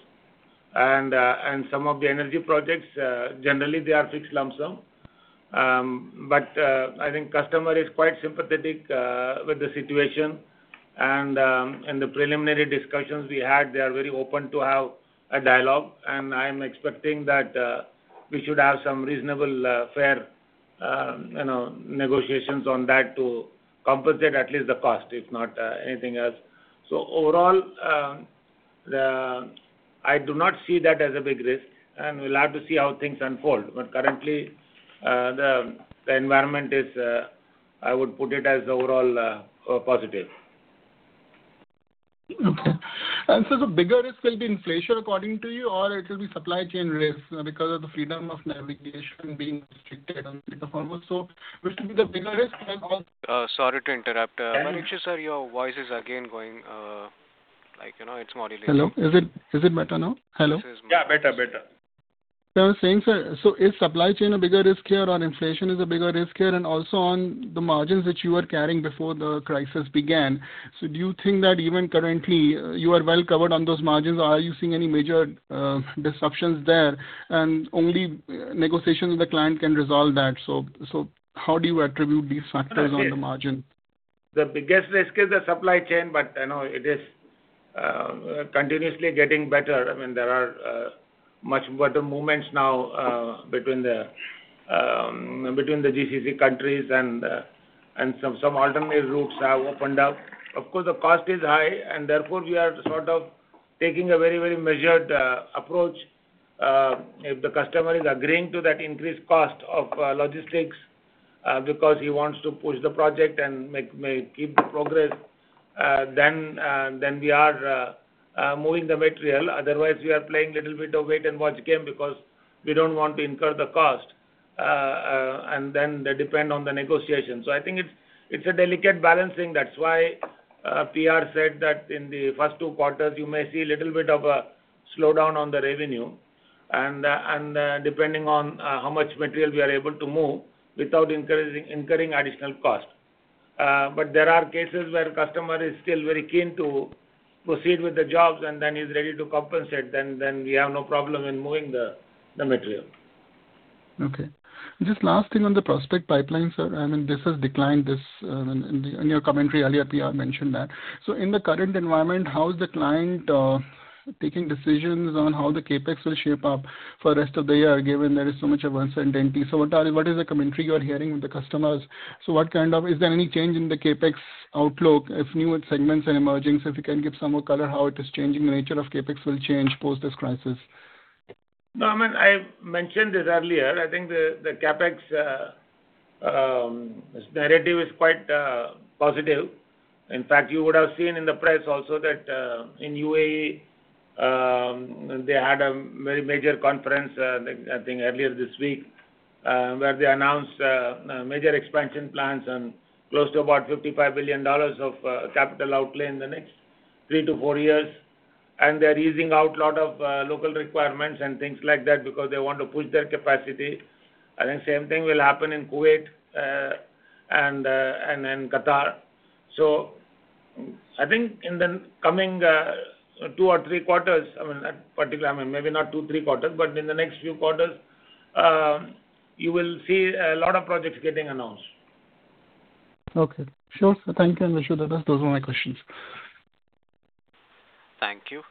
Some of the energy projects, generally they are fixed lump sum. I think customer is quite sympathetic with the situation. In the preliminary discussions we had, they are very open to have a dialogue, and I am expecting that we should have some reasonable, fair, you know, negotiations on that to compensate at least the cost, if not anything else. Overall, I do not see that as a big risk, and we'll have to see how things unfold. Currently, the environment is, I would put it as overall, positive. The bigger risk will be inflation according to you, or it will be supply chain risk because of the freedom of navigation being restricted so which will be the bigger risk? sorry to interrupt. And Parikshit Kandpal, sir, your voice is again going, like, you know, it's modulating. Hello. Is it better now? Hello. This is much better, sir. Yeah, better. I was saying, sir, is supply chain a bigger risk here or inflation is a bigger risk here? Also on the margins that you were carrying before the crisis began, so do you think that even currently you are well covered on those margins? Are you seeing any major disruptions there? Only negotiations with the client can resolve that. How do you attribute these factors on the margin? The biggest risk is the supply chain, but I know it is continuously getting better. I mean, there are much better movements now between the GCC countries and some alternate routes have opened up. Of course, the cost is high, and therefore we are sort of taking a very, very measured approach. If the customer is agreeing to that increased cost of logistics, because he wants to push the project and make, keep the progress, then we are moving the material. Otherwise, we are playing little bit of wait-and-watch game because we don't want to incur the cost. They depend on the negotiations. I think it's a delicate balancing. That's why PR said that in the first two quarters you may see a little bit of a slowdown on the revenue and depending on how much material we are able to move without incurring additional cost. There are cases where customer is still very keen to proceed with the jobs and then he is ready to compensate, then we have no problem in moving the material. Okay. Just last thing on the prospect pipeline, sir. I mean, this has declined, this in your commentary earlier PR mentioned that. In the current environment, how is the client taking decisions on how the CapEx will shape up for rest of the year, given there is so much uncertainty? What is the commentary you are hearing with the customers? Is there any change in the CapEx outlook if new segments are emerging? If you can give some more color how it is changing, the nature of CapEx will change post this crisis. No, I mean, I mentioned this earlier, I think the CapEx narrative is quite positive. In fact, you would have seen in the press also that in UAE, they had a very major conference, I think earlier this week, where they announced major expansion plans and close to about $55 billion of capital outlay in the next three to four years. They're easing out lot of local requirements and things like that because they want to push their capacity. I think same thing will happen in Kuwait and in Qatar. I think in the coming two or three quarters, I mean, at particular, I mean, maybe not two, three quarters, but in the next few quarters, you will see a lot of projects getting announced. Okay. Sure, sir. Thank you. I'm sure that those were my questions. Thank you.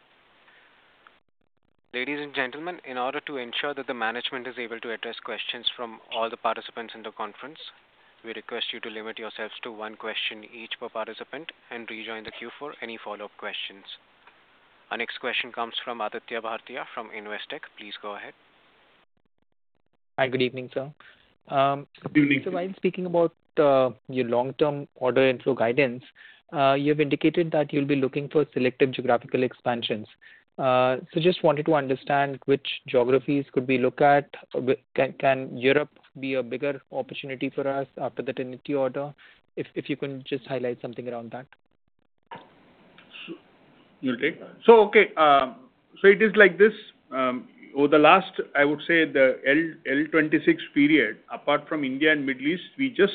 Ladies and gentlemen, in order to ensure that the management is able to address questions from all the participants in the conference, we request you to limit yourselves to one question each per participant and rejoin the queue for any follow-up questions. Our next question comes from Aditya Bhartia from Investec. Please go ahead. Hi, good evening, sir. Good evening. While speaking about your long-term order info guidance, you've indicated that you'll be looking for selective geographical expansions. Just wanted to understand which geographies could we look at. Can Europe be a bigger opportunity for us after the TenneT order? If you can just highlight something around that. It is like this. Over the last, I would say the L2026 period, apart from India and Middle East, we just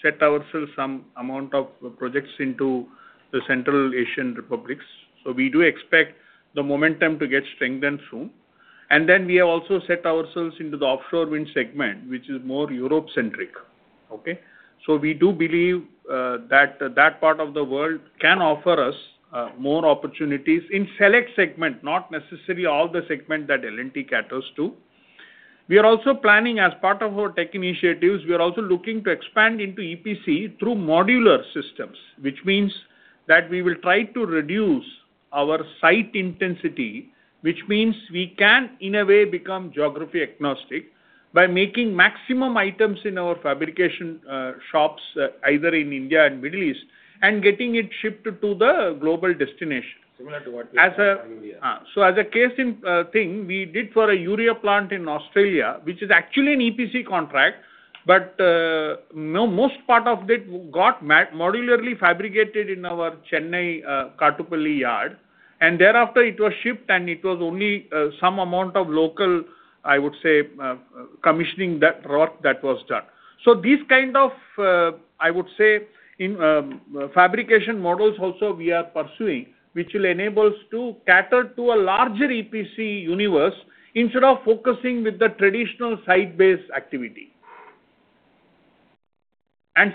set ourselves some amount of projects into the Central Asian Republics. We do expect the momentum to get strengthened soon. We have also set ourselves into the offshore wind segment, which is more Europe-centric. We do believe that that part of the world can offer us more opportunities in select segment, not necessarily all the segment that L&T caters to. We are also planning as part of our tech initiatives, we are also looking to expand into EPC through modular systems, which means that we will try to reduce our site intensity, which means we can, in a way, become geography agnostic by making maximum items in our fabrication, shops, either in India and Middle East, and getting it shipped to the global destination. Similar to what we have done in India. As a case in thing we did for a urea plant in Australia, which is actually an EPC contract, most part of it got modularly fabricated in our Chennai, Kattupalli yard, and thereafter it was shipped and it was only some amount of local, I would say, commissioning that work that was done. These kind of, I would say in fabrication models also we are pursuing, which will enable us to cater to a larger EPC universe instead of focusing with the traditional site-based activity.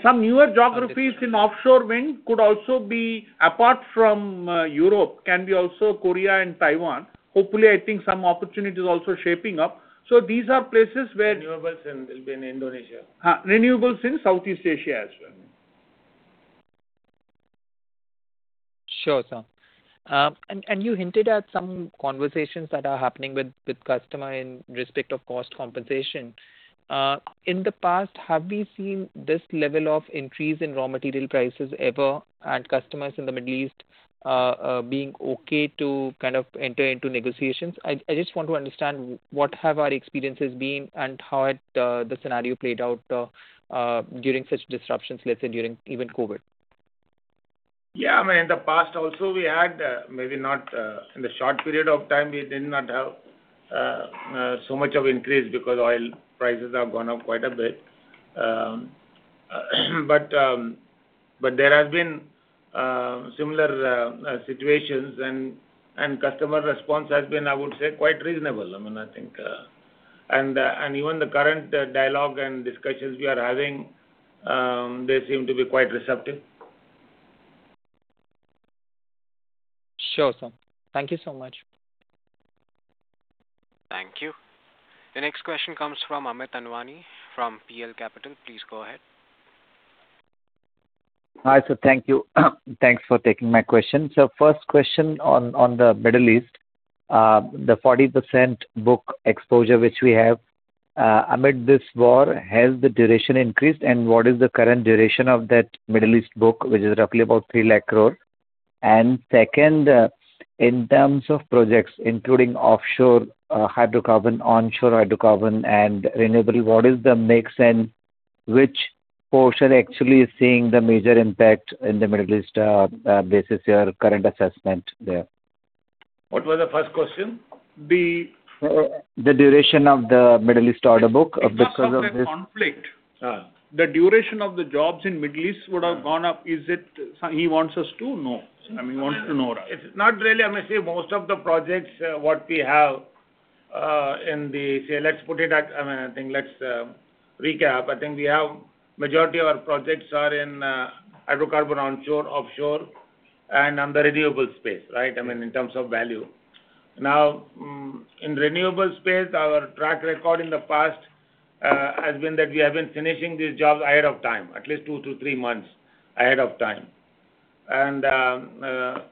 Some newer geographies in offshore wind could also be apart from Europe, can be also Korea and Taiwan. Hopefully, I think some opportunities also shaping up. These are places where. Renewables in will be in Indonesia. Renewables in Southeast Asia as well. Sure, sir. You hinted at some conversations that are happening with customer in respect of cost compensation. In the past, have we seen this level of increase in raw material prices ever, and customers in the Middle East being okay to kind of enter into negotiations? I just want to understand what have our experiences been and how it the scenario played out during such disruptions, let's say during even COVID. Yeah, I mean, in the past also we had, maybe not in the short period of time we did not have so much of increase because oil prices have gone up quite a bit. There has been similar situations, and customer response has been, I would say, quite reasonable. I mean, I think, even the current dialogue and discussions we are having, they seem to be quite receptive. Sure, sir. Thank you so much. Thank you. The next question comes from Amit Anwani from PL Capital. Please go ahead. Hi, sir. Thank you. Thanks for taking my question. First question on the Middle East. The 40% book exposure which we have, amid this war, has the duration increased, and what is the current duration of that Middle East book, which is roughly about 3 lakh crore? Second, in terms of projects, including offshore hydrocarbon, onshore hydrocarbon and renewable, what is the mix and which portion actually is seeing the major impact in the Middle East, basis your current assessment there? What was the first question? The- The duration of the Middle East order book because of this. Because of the conflict. the duration of the jobs in Middle East would have gone up. He wants us to know. I mean, he wants to know that. It's not really, I must say, most of the projects what we have in the Say, let's put it at, I mean, I think let's recap. I think we have majority of our projects are in hydrocarbon onshore, offshore, and under renewable space, right? I mean, in terms of value. Now, in renewable space, our track record in the past has been that we have been finishing these jobs ahead of time, at least two to three months ahead of time. I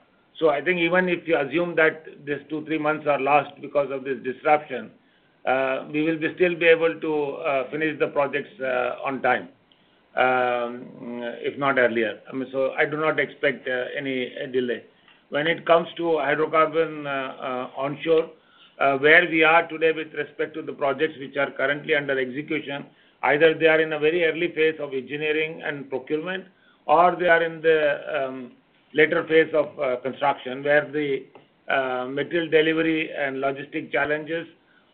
think even if you assume that these two, three months are lost because of this disruption, we will be still be able to finish the projects on time, if not earlier. I mean, I do not expect any delay. When it comes to hydrocarbon onshore, where we are today with respect to the projects which are currently under execution, either they are in a very early phase of engineering and procurement, or they are in the later phase of construction, where the material delivery and logistic challenges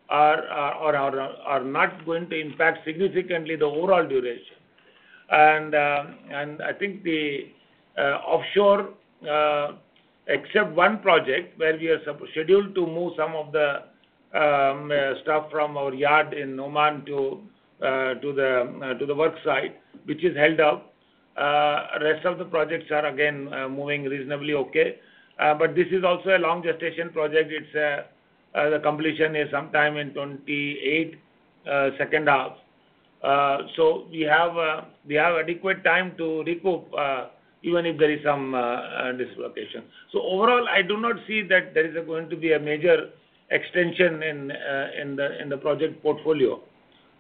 are not going to impact significantly the overall duration. I think the offshore, except one project where we are scheduled to move some of the stuff from our yard in Oman to the work site, which is held up, rest of the projects are again moving reasonably okay. This is also a long gestation project. It's the completion is sometime in 2028, second half. We have adequate time to recoup, even if there is some dislocation. Overall, I do not see that there is going to be a major extension in the project portfolio.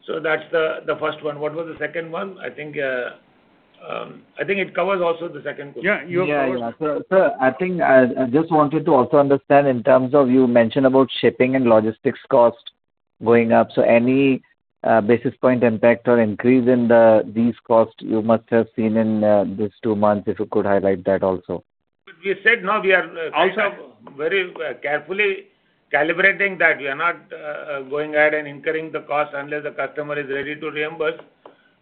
That's the first one. What was the second one? I think it covers also the second question. Yeah. You have covered. Yeah, yeah. Sir, I think I just wanted to also understand in terms of you mentioned about shipping and logistics cost going up. Any basis point impact or increase in these costs you must have seen in these two months, if you could highlight that also. We said, no. Also- kind of very carefully calibrating that. We are not going ahead and incurring the cost unless the customer is ready to reimburse.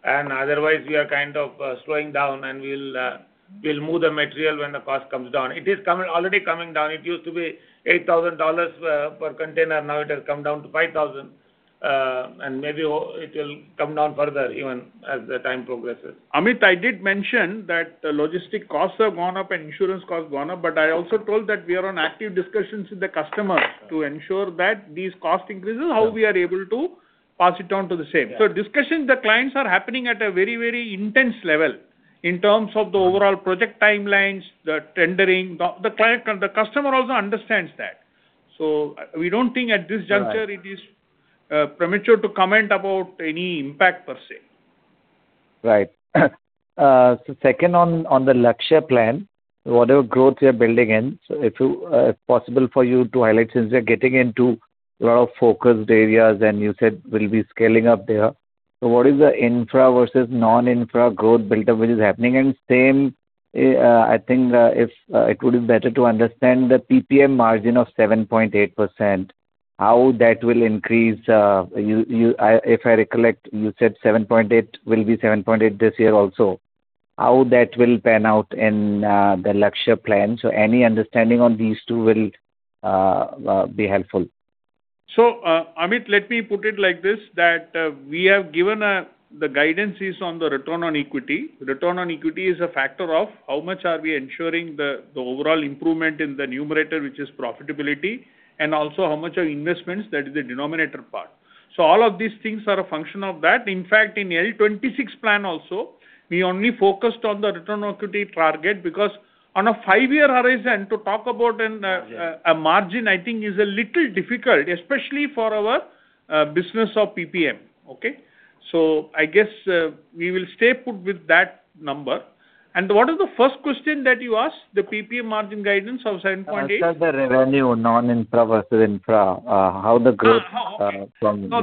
Otherwise, we are kind of slowing down and we'll move the material when the cost comes down. It is already coming down. It used to be $8,000 per container. Now it has come down to $5,000 and maybe it will come down further even as the time progresses. Amit, I did mention that the logistic costs have gone up and insurance costs gone up, I also told that we are on active discussions with the customers to ensure that these cost increases, how we are able to pass it on to the same. Yeah. Discussions with the clients are happening at a very, very intense level in terms of the overall project timelines, the tendering. The client, the customer also understands that. We don't think at this juncture. Right It is premature to comment about any impact per se. Right. Second on the Lakshya plan, whatever growth you're building in, if you, if possible for you to highlight since you're getting into a lot of focused areas and you said we'll be scaling up there. What is the infra versus non-infra growth buildup which is happening? Same, I think, if it would be better to understand the PPM margin of 7.8% how that will increase, you, if I recollect, you said 7.8% will be 7.8% this year also. How that will pan out in the Lakshya plan? Any understanding on these two will be helpful. Amit, let me put it like this, that, we have given, the guidances on the return on equity. Return on equity is a factor of how much are we ensuring the overall improvement in the numerator, which is profitability, and also how much are investments, that is the denominator part. All of these things are a function of that. In fact, in year 2026 plan also, we only focused on the return on equity target because on a five year horizon. Margin A margin I think is a little difficult, especially for our business of PPM. Okay. I guess, we will stay put with that number. What is the first question that you asked, the PPM margin guidance of 7.8? Sir, the revenue non-infra versus infra, how the growth? Okay.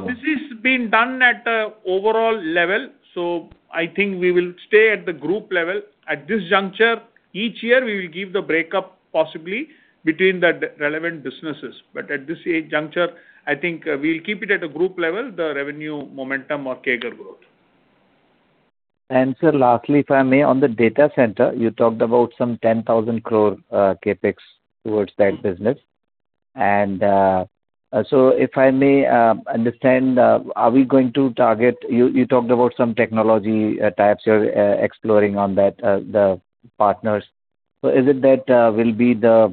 This is being done at an overall level, so I think we will stay at the group level. At this juncture, each year we will give the breakup possibly between the relevant businesses. At this juncture, I think, we'll keep it at a group level, the revenue momentum or CAGR growth. Sir, lastly, if I may, on the data center, you talked about some 10,000 crore CapEx towards that business. So if I may understand, are we going to target You, you talked about some technology types you're exploring on that, the partners. So is it that we'll be the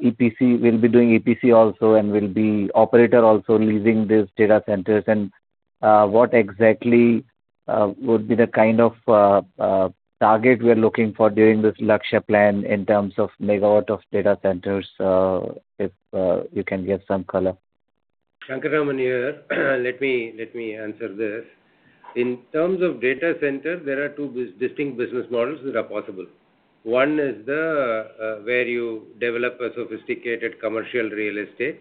EPC, we'll be doing EPC also and we'll be operator also leasing these data centers? What exactly would be the kind of target we are looking for during this Lakshya plan in terms of megawatt of data centers? If you can give some color. Shankar Raman here. Let me answer this. In terms of data center, there are two distinct business models that are possible. One is the where you develop a sophisticated commercial real estate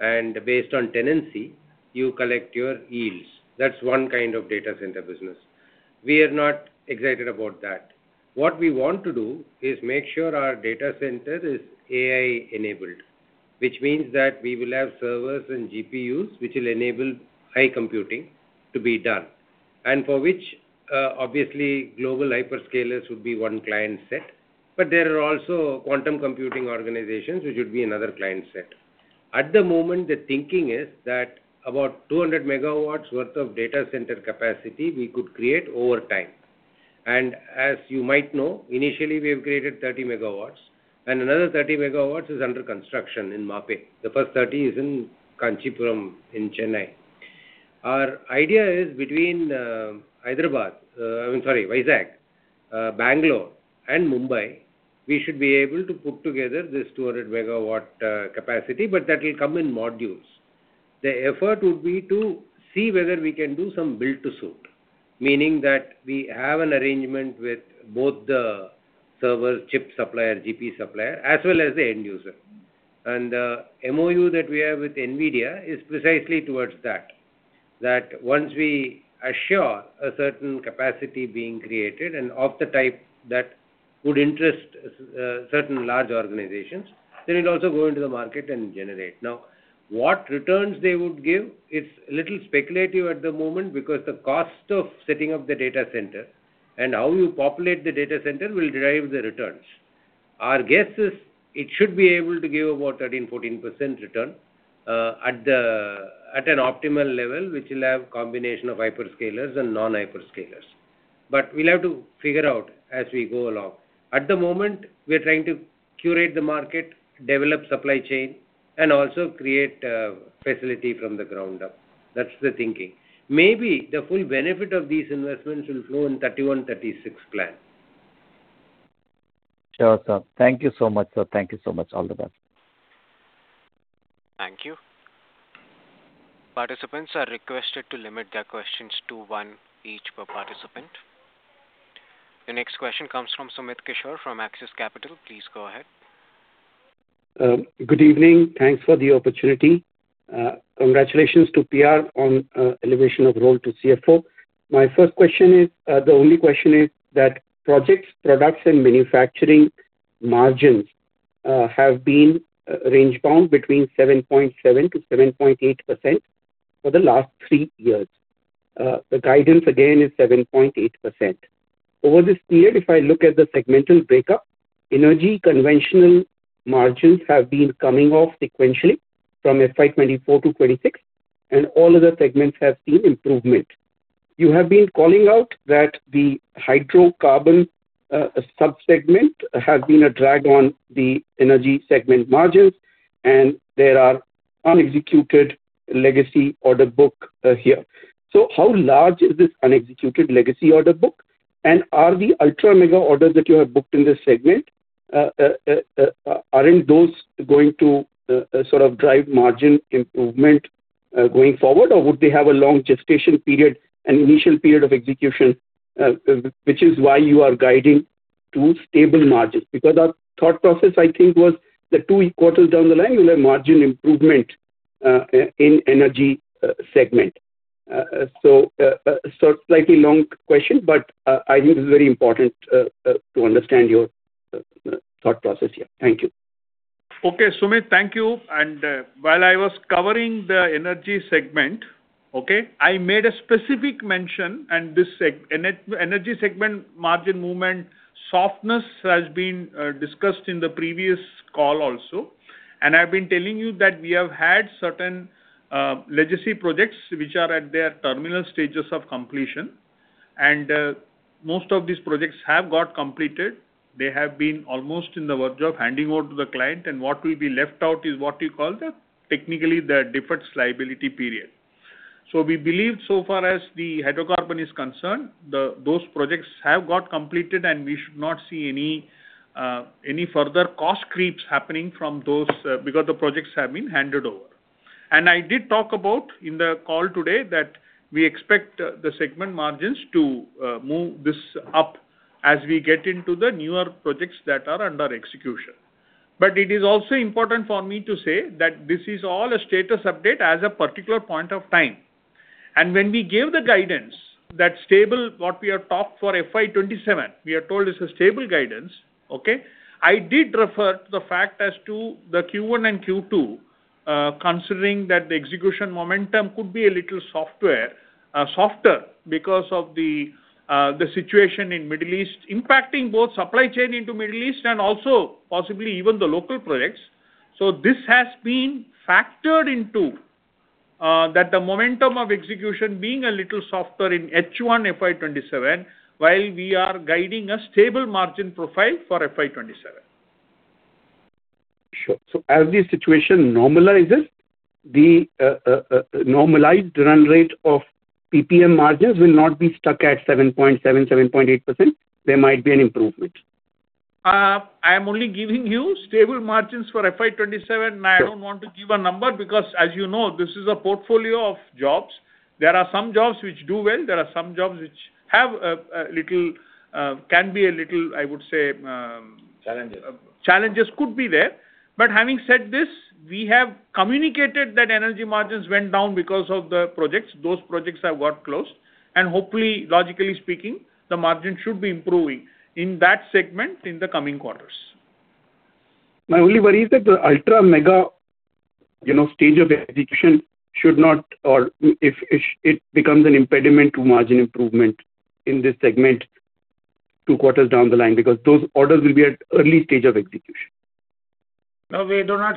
and based on tenancy you collect your yields. That's one kind of data center business. We are not excited about that. What we want to do is make sure our data center is AI enabled, which means that we will have servers and GPUs which will enable high computing to be done, and for which obviously global hyperscalers would be one client set, but there are also quantum computing organizations which would be another client set. At the moment, the thinking is that about 200 MW worth of data center capacity we could create over time. As you might know, initially we have created 30 MW, and another 30 MW is under construction in Mappedu. The first 30 MW is in Kanchipuram in Chennai. Our idea is between Hyderabad, Vizag, Bangalore and Mumbai, we should be able to put together this 200 MW capacity, but that'll come in modules. The effort would be to see whether we can do some build to suit, meaning that we have an arrangement with both the server chip supplier, GPU supplier, as well as the end user. MOU that we have with NVIDIA is precisely towards that once we assure a certain capacity being created and of the type that would interest certain large organizations, then it'll also go into the market and generate. What returns they would give, it's a little speculative at the moment because the cost of setting up the data center and how you populate the data center will derive the returns. Our guess is it should be able to give about 13%-14% return at the, at an optimal level, which will have combination of hyperscalers and non-hyperscalers. We'll have to figure out as we go along. At the moment, we are trying to curate the market, develop supply chain, and also create facility from the ground up. That's the thinking. Maybe the full benefit of these investments will flow in 2031/2036 plan. Sure, sir. Thank you so much, sir. Thank you so much. All the best. Thank you. Participants are requested to limit their questions to one each per participant. The next question comes from Sumit Kishore from Axis Capital. Please go ahead. Good evening. Thanks for the opportunity. Congratulations to P.R. on elevation of role to CFO. My first question is, the only question is that projects, products and manufacturing margins have been range bound between 7.7%-7.8% for the last three years. The guidance again is 7.8%. Over this period, if I look at the segmental breakup, energy conventional margins have been coming off sequentially from FY 2024 to 2026, and all other segments have seen improvement. You have been calling out that the hydrocarbon sub-segment has been a drag on the energy segment margins, and there are unexecuted legacy order book here. How large is this unexecuted legacy order book? Are the ultra-mega orders that you have booked in this segment, aren't those going to sort of drive margin improvement going forward, or would they have a long gestation period and initial period of execution, which is why you are guiding to stable margins? Our thought process, I think, was that two quarters down the line you'll have margin improvement in energy segment. Slightly long question, but I think it's very important to understand your thought process here. Thank you. Okay, Sumit, thank you. While I was covering the energy segment, okay, I made a specific mention, and this energy segment margin movement softness has been discussed in the previous call also. I've been telling you that we have had certain legacy projects which are at their terminal stages of completion. Most of these projects have got completed. They have been almost in the verge of handing over to the client, and what will be left out is what we call the technically the defects liability period. We believe so far as the hydrocarbon is concerned, those projects have got completed, and we should not see any further cost creeps happening from those because the projects have been handed over. I did talk about in the call today that we expect the segment margins to move this up as we get into the newer projects that are under execution. It is also important for me to say that this is all a status update as a particular point of time. When we gave the guidance that stable what we have talked for FY 2027, we are told it's a stable guidance, okay. I did refer to the fact as to the Q1 and Q2, considering that the execution momentum could be a little softer because of the situation in Middle East impacting both supply chain into Middle East and also possibly even the local projects. This has been factored into that the momentum of execution being a little softer in H1 FY 2027, while we are guiding a stable margin profile for FY 2027. Sure. As the situation normalizes, the normalized run rate of PPM margins will not be stuck at 7.7.8%, there might be an improvement? I'm only giving you stable margins for FY 2027. Sure. I don't want to give a number because, as you know, this is a portfolio of jobs. There are some jobs which do well, there are some jobs which have a little, can be a little, I would say. Challenges. Challenges could be there. Having said this, we have communicated that energy margins went down because of the projects. Those projects have got closed. Hopefully, logically speaking, the margin should be improving in that segment in the coming quarters. My only worry is that the ultra mega, you know, stage of execution should not or if it becomes an impediment to margin improvement in this segment two quarters down the line, because those orders will be at early stage of execution. No, we do not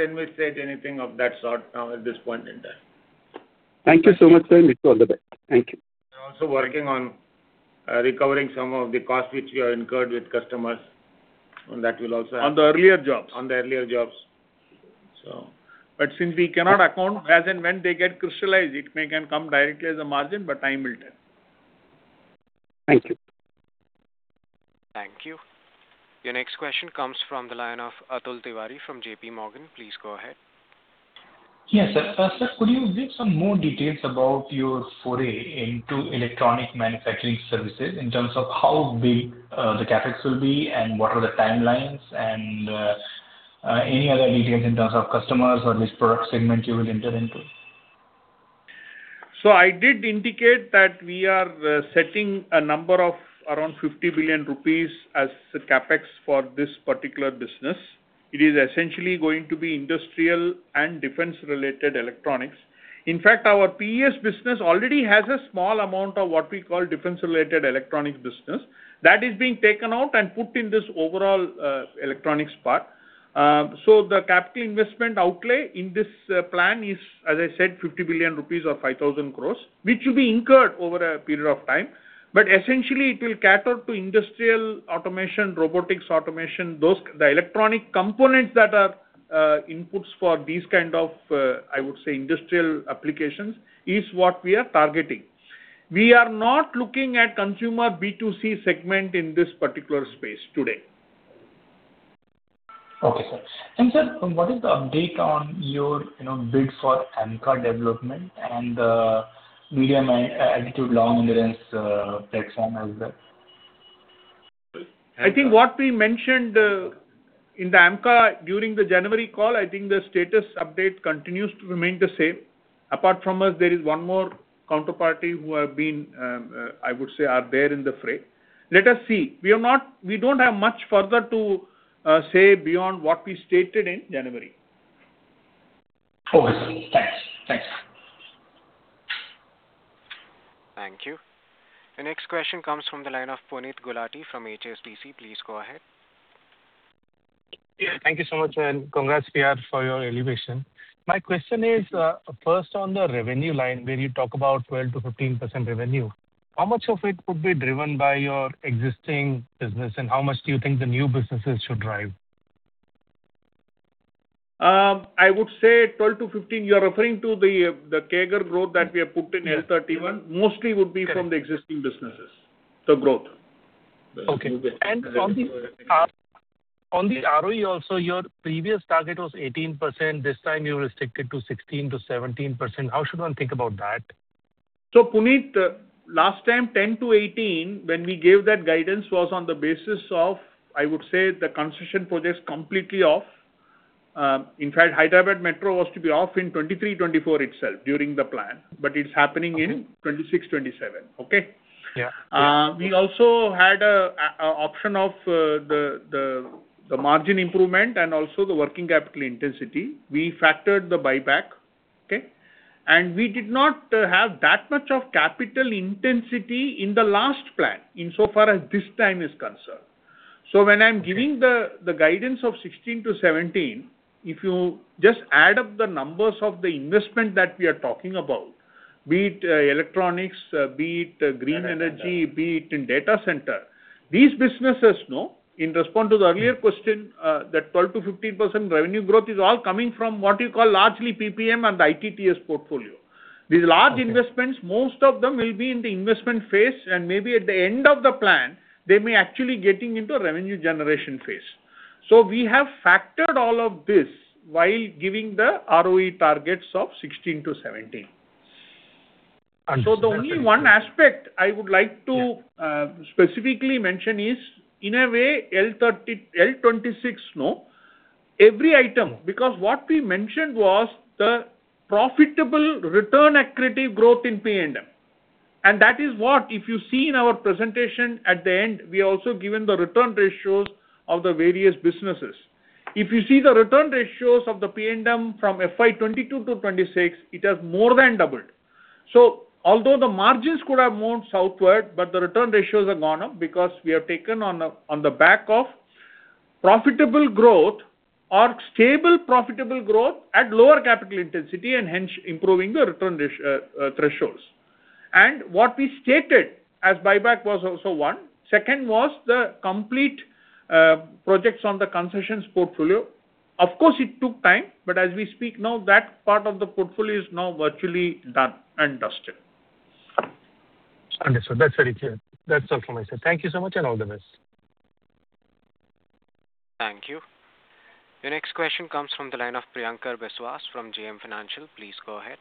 anticipate anything of that sort now at this point in time. Thank you so much, sir. Wish you all the best. Thank you. We're also working on recovering some of the costs which we have incurred with customers, and that will also help. On the earlier jobs. On the earlier jobs. Since we cannot account as and when they get crystallized, it may can come directly as a margin, but time will tell. Thank you. Thank you. Your next question comes from the line of Atul Tiwari from JPMorgan. Please go ahead. Yes, sir. Sir, could you give some more details about your foray into electronic manufacturing services in terms of how big the CapEx will be and what are the timelines and any other details in terms of customers or which product segment you will enter into? I did indicate that we are setting a number of around 50 billion rupees as the CapEx for this particular business. It is essentially going to be industrial and defense-related electronics. In fact, our PES business already has a small amount of what we call defense-related electronics business. That is being taken out and put in this overall electronics part. The capital investment outlay in this plan is, as I said, 50 billion rupees or 5,000 crores, which will be incurred over a period of time. Essentially it will cater to industrial automation, robotics automation, the electronic components that are inputs for these kind of, I would say, industrial applications is what we are targeting. We are not looking at consumer B2C segment in this particular space today. Okay, sir. Sir, what is the update on your, you know, bid for AMCA development and medium altitude long endurance platform as well? I think what we mentioned in the AMCA during the January call, I think the status update continues to remain the same. Apart from us, there is one more counterparty who have been, I would say are there in the fray. Let us see. We don't have much further to say beyond what we stated in January. Okay, sir. Thanks. Thanks. Thank you. The next question comes from the line of Puneet Gulati from HSBC. Please go ahead. Thank you so much, and congrats, PR, for your elevation. My question is, first on the revenue line where you talk about 12%-15% revenue. How much of it could be driven by your existing business, and how much do you think the new businesses should drive? I would say 12%-15%, you are referring to the CAGR growth that we have put in L31? Yes. Mostly would be Correct. From the existing businesses, the growth. Okay. On the ROE also, your previous target was 18%. This time you restricted to 16%-17%. How should one think about that? Puneet, last time, 10%-18%, when we gave that guidance was on the basis of, I would say, the concession projects completely off. In fact, Hyderabad Metro was to be off in 2023, 2024 itself during the plan, but it's happening in 2026, 2027. Okay. Yeah. Yeah. We also had an option of the margin improvement and also the working capital intensity. We factored the buyback. Okay. We did not have that much of capital intensity in the last plan in so far as this time is concerned. When I'm giving the guidance of 16%-17%, if you just add up the numbers of the investment that we are talking about, be it electronics, be it green energy, be it in data center, these businesses, no, in response to the earlier question, that 12%-15% revenue growth is all coming from what you call largely PPM and LTTS portfolio. Okay. These large investments, most of them will be in the investment phase, and maybe at the end of the plan they may actually getting into a revenue generation phase. We have factored all of this while giving the ROE targets of 16%-17%. Understood. Thank you. The only one aspect I would like to. Yeah Specifically mention is, in a way L26, no, every item. What we mentioned was the profitable return accretive growth in P&M. That is what if you see in our presentation at the end, we also given the return ratios of the various businesses. If you see the return ratios of the P&M from FY 2022 to 2026, it has more than doubled. Although the margins could have moved southward, but the return ratios have gone up because we have taken on the back of profitable growth or stable profitable growth at lower capital intensity and hence improving the return thresholds. What we stated as buyback was also one. Second was the complete projects on the concessions portfolio. Of course, it took time, but as we speak now, that part of the portfolio is now virtually done and dusted. Okay, sir. That is very clear. That is all from my side. Thank you so much, and all the best. Thank you. Your next question comes from the line of Priyankar Biswas from JM Financial. Please go ahead.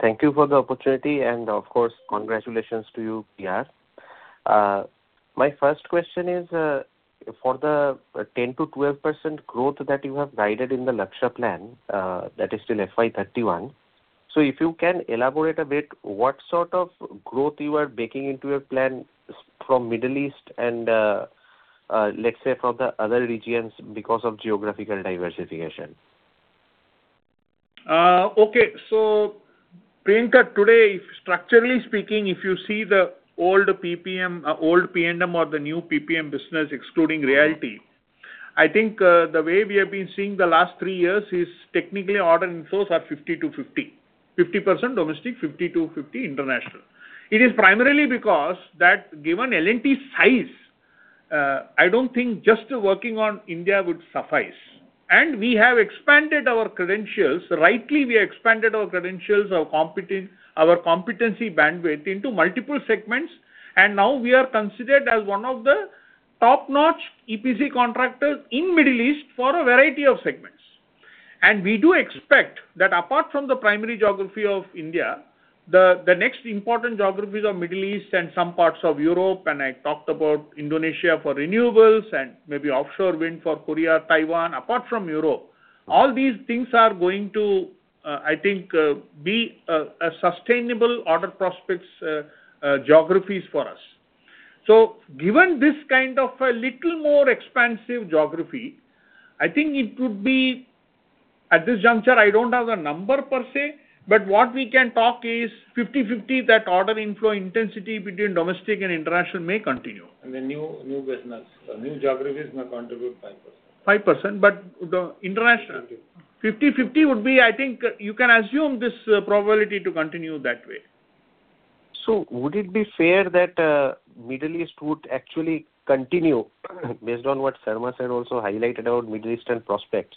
Thank you for the opportunity and of course congratulations to you, PR. My first question is, for the 10%-12% growth that you have guided in the Lakshya 2031 plan, that is till FY 2031. If you can elaborate a bit, what sort of growth you are baking into your plan from Middle East and, let's say from the other regions because of geographical diversification? Okay, Priyankar today, if structurally speaking, if you see the old PPM, old P&M or the new PPM business excluding Realty, I think, the way we have been seeing the last three years is technically order inflows are 50-50. 50% domestic, 50-50 international. It is primarily because that given L&T size, I don't think just working on India would suffice. We have expanded our credentials. Rightly, we expanded our credentials, our competency bandwidth into multiple segments, now we are considered as one of the top-notch EPC contractors in Middle East for a variety of segments. We do expect that apart from the primary geography of India, the next important geographies are Middle East and some parts of Europe, and I talked about Indonesia for renewables and maybe offshore wind for Korea, Taiwan, apart from Europe. These things are going to, I think, be a sustainable order prospects geographies for us. Given this kind of a little more expansive geography, at this juncture, I don't have a number per se, but what we can talk is 50-50, that order inflow intensity between domestic and international may continue. The new business or new geographies may contribute 5%? 5% but the international 50. 50/50 would be, I think, you can assume this probability to continue that way. Would it be fair that Middle East would actually continue based on what Sarma said also highlighted about Middle Eastern prospects?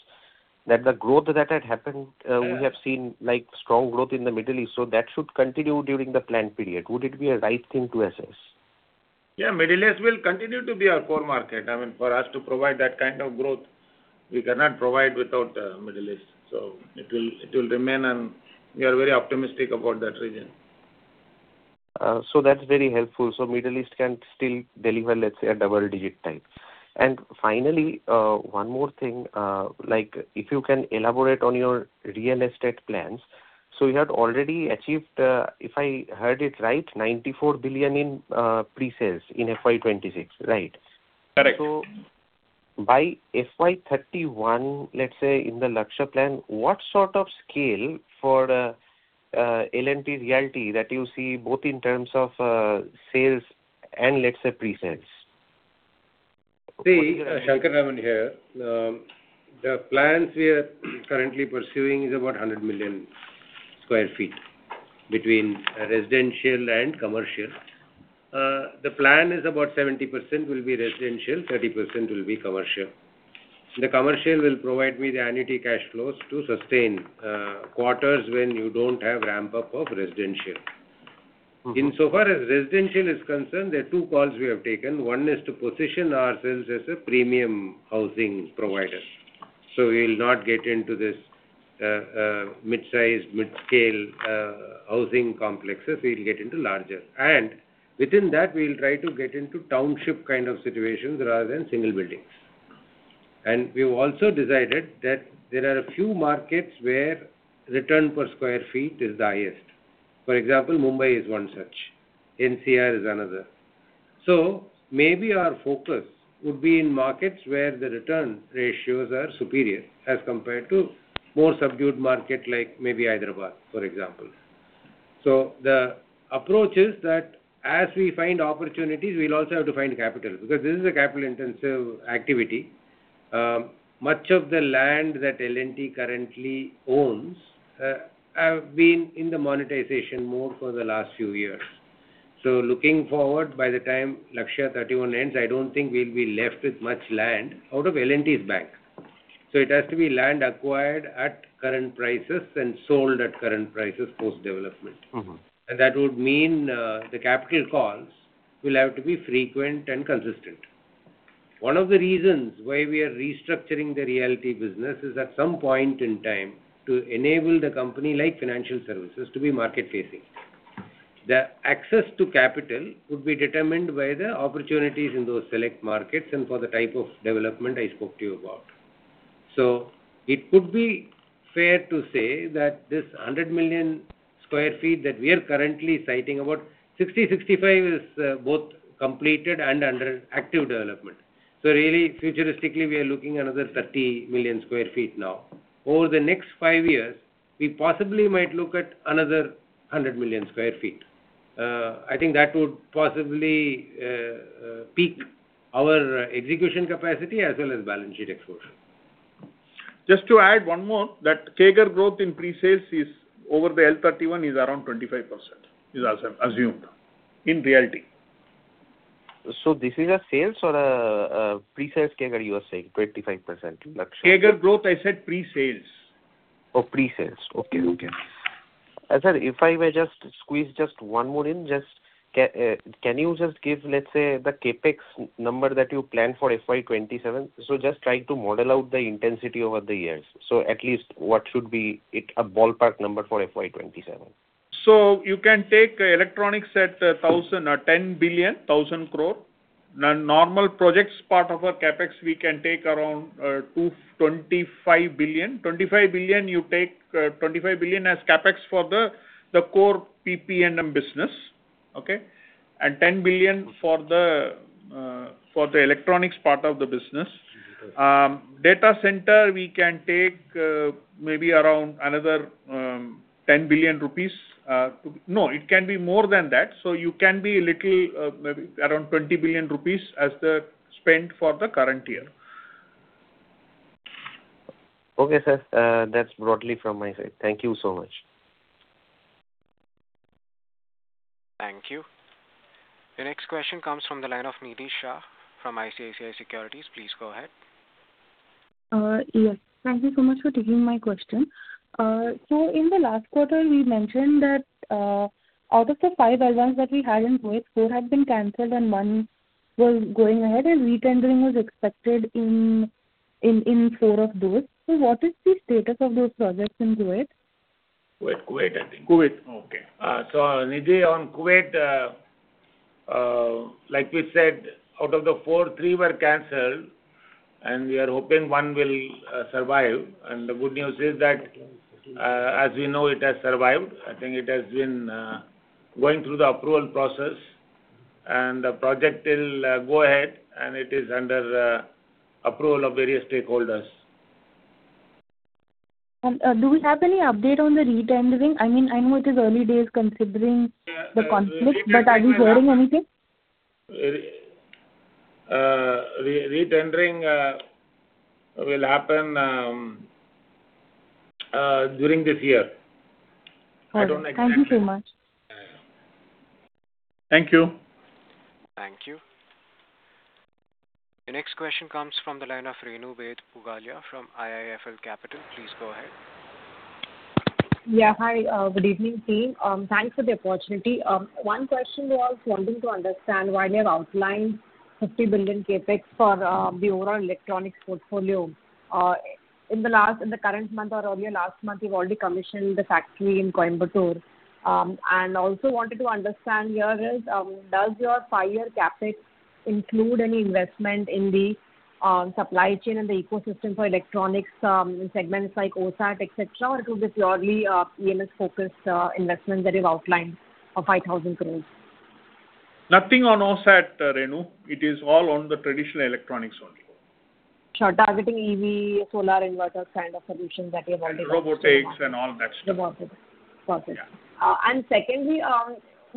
Yeah We have seen like strong growth in the Middle East, so that should continue during the plan period. Would it be a right thing to assess? Yeah, Middle East will continue to be our core market. I mean, for us to provide that kind of growth, we cannot provide without Middle East. It will remain and we are very optimistic about that region. That's very helpful. Middle East can still deliver, let's say, a double-digit type. Finally, one more thing. Like if you can elaborate on your real estate plans. You had already achieved, if I heard it right, 94 billion in pre-sales in FY 2026, right? Correct. By FY 2031, let's say in the Lakshya Plan, what sort of scale for L&T Realty that you see both in terms of sales and let's say pre-sales? See, Shankar Raman here. The plans we are currently pursuing is about 100 million square feet between residential and commercial. The plan is about 70% will be residential, 30% will be commercial. The commercial will provide me the annuity cash flows to sustain quarters when you don't have ramp-up of residential. In so far as residential is concerned, there are two calls we have taken. One is to position ourselves as a premium housing provider. We'll not get into this mid-size, mid-scale housing complexes, we'll get into larger. Within that, we'll try to get into township kind of situations rather than single buildings. We've also decided that there are a few markets where return per sq ft is the highest. For example, Mumbai is one such, NCR is another. Maybe our focus would be in markets where the return ratios are superior as compared to more subdued market, like maybe Hyderabad, for example. The approach is that as we find opportunities, we'll also have to find capital, because this is a capital-intensive activity. Much of the land that L&T currently owns have been in the monetization mode for the last few years. Looking forward, by the time Lakshya 2031 ends, I don't think we'll be left with much land out of L&T's bank. It has to be land acquired at current prices and sold at current prices post-development. That would mean the capital calls will have to be frequent and consistent. One of the reasons why we are restructuring the realty business is at some point in time to enable the company, like financial services, to be market-facing. The access to capital would be determined by the opportunities in those select markets and for the type of development I spoke to you about. It could be fair to say that this 100 million square feet that we are currently siting about, 60, 65 is both completed and under active development. Really futuristically, we are looking another 30 million square feet now. Over the next five years, we possibly might look at another 100 million square feet. I think that would possibly peak our execution capacity as well as balance sheet exposure. Just to add one more, that CAGR growth in pre-sales is over the L31 is around 25%, is assumed in realty. This is a sales or a pre-sales CAGR you are saying, 25% Lakshya? CAGR growth, I said pre-sales. Oh, pre-sales. Okay. Okay. Sir, if I may just squeeze just one more in. Can you just give, let's say, the CapEx number that you plan for FY 2027? Just try to model out the intensity over the years. At least what should be it a ballpark number for FY 2027? You can take electronics at 1,000 or 10 billion, 1,000 crore. No normal projects part of our CapEx, we can take around 25 billion. 25 billion, you take 25 billion as CapEx for the core PP&M business. Okay. 10 billion for the electronics part of the business. Data center we can take maybe around another 10 billion rupees. No, it can be more than that. You can be a little maybe around 20 billion rupees as the spend for the current year. Okay, sir. That's broadly from my side. Thank you so much. Thank you. The next question comes from the line of Nidhi Shah from ICICI Securities. Please go ahead. Yes. Thank you so much for taking my question. In the last quarter, we mentioned that, out of the five L1s that we had in Kuwait, four had been canceled and one was going ahead, and retendering was expected in four of those. What is the status of those projects in Kuwait? Kuwait, I think. Kuwait. Okay. Nidhi, on Kuwait, like we said, out of the four, three were canceled, we are hoping one will survive. The good news is that, as we know, it has survived. I think it has been going through the approval process, the project will go ahead, it is under approval of various stakeholders. Do we have any update on the retendering? I mean, I know it is early days considering the conflict, but are we hearing anything? Retendering will happen during this year. Thank you so much. Yeah, yeah. Thank you. Thank you. The next question comes from the line of Renu Baid Pugalia from IIFL Capital. Please go ahead. Yeah, hi. Good evening, team. Thanks for the opportunity. One question was wanting to understand why you have outlined 50 billion CapEx for the overall electronics portfolio. In the current month or earlier last month, you've already commissioned the factory in Coimbatore. Also wanted to understand here is, does your five year CapEx include any investment in the supply chain and the ecosystem for electronics, segments like OSAT, et cetera? Or it will be purely EMS-focused investments that you've outlined of 5,000 crores? Nothing on OSAT, Renu. It is all on the traditional electronics only. Sure. Targeting EV, solar inverter kind of solutions that you have already- Robotics and all that stuff. The market. Perfect. Yeah. Secondly,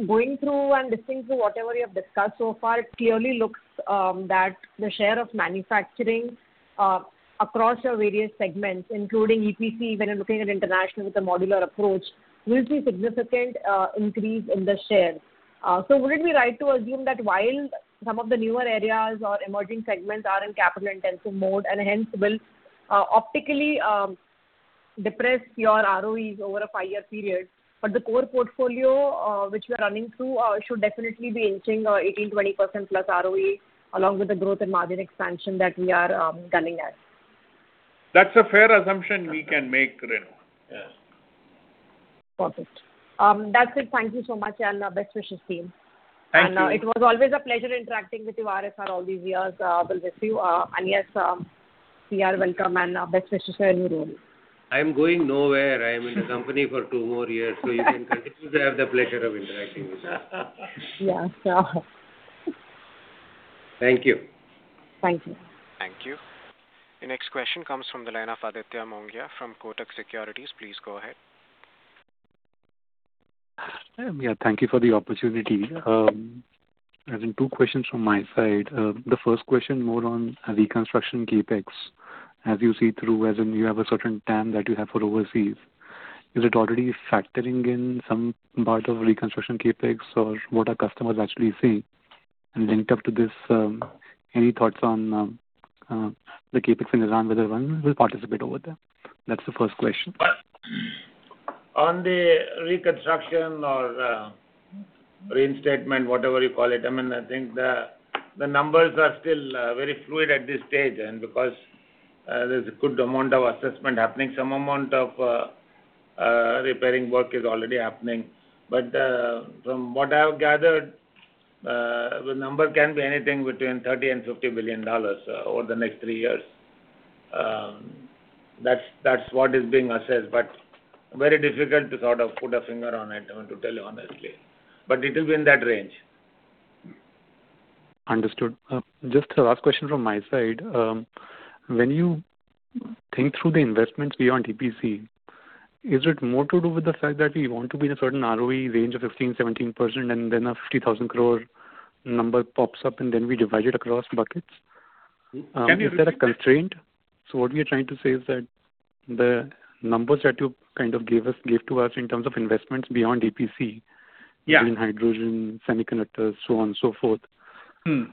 going through and listening to whatever you have discussed so far, it clearly looks that the share of manufacturing across your various segments, including EPC, when you are looking at international with the modular approach, will see significant increase in the share. Would it be right to assume that while some of the newer areas or emerging segments are in capital-intensive mode and hence will optically depress your ROEs over a five year period, but the core portfolio which you are running through should definitely be inching 18%, 20% plus ROE along with the growth and margin expansion that we are gunning at? That's a fair assumption we can make, Renu. Yes. Perfect. That's it. Thank you so much, and best wishes to you. Thank you. It was always a pleasure interacting with you, RSR, all these years. Best wish to you. Yes, we are welcome and best wishes to everyone. I'm going nowhere. I am in the company for two more years, so you can continue to have the pleasure of interacting with us. Yeah. Sure. Thank you. Thank you. Thank you. The next question comes from the line of Aditya Mongia from Kotak Securities. Please go ahead. Yeah, thank you for the opportunity. I have two questions from my side. The first question more on reconstruction CapEx. As you see through, as in you have a certain time that you have for overseas, is it already factoring in some part of reconstruction CapEx, or what are customers actually seeing? Linked up to this, any thoughts on the CapEx in Iran, whether when will participate over there? That's the first question. On the reconstruction or reinstatement, I mean, I think the numbers are still very fluid at this stage. There's a good amount of assessment happening. Some amount of repairing work is already happening. From what I have gathered, the number can be anything between $30 billion-$50 billion over the next three years. That's what is being assessed, but very difficult to sort of put a finger on it, I want to tell you honestly. It is in that range. Understood. Just a last question from my side. When you think through the investments beyond EPC, is it more to do with the fact that we want to be in a certain ROE range of 15%, 17% and then a 50,000 crore number pops up and then we divide it across buckets? Can you repeat? Is that a constraint? What we are trying to say is that the numbers that you kind of gave to us in terms of investments beyond EPC. Yeah. between hydrogen, semiconductors, so on and so forth. Is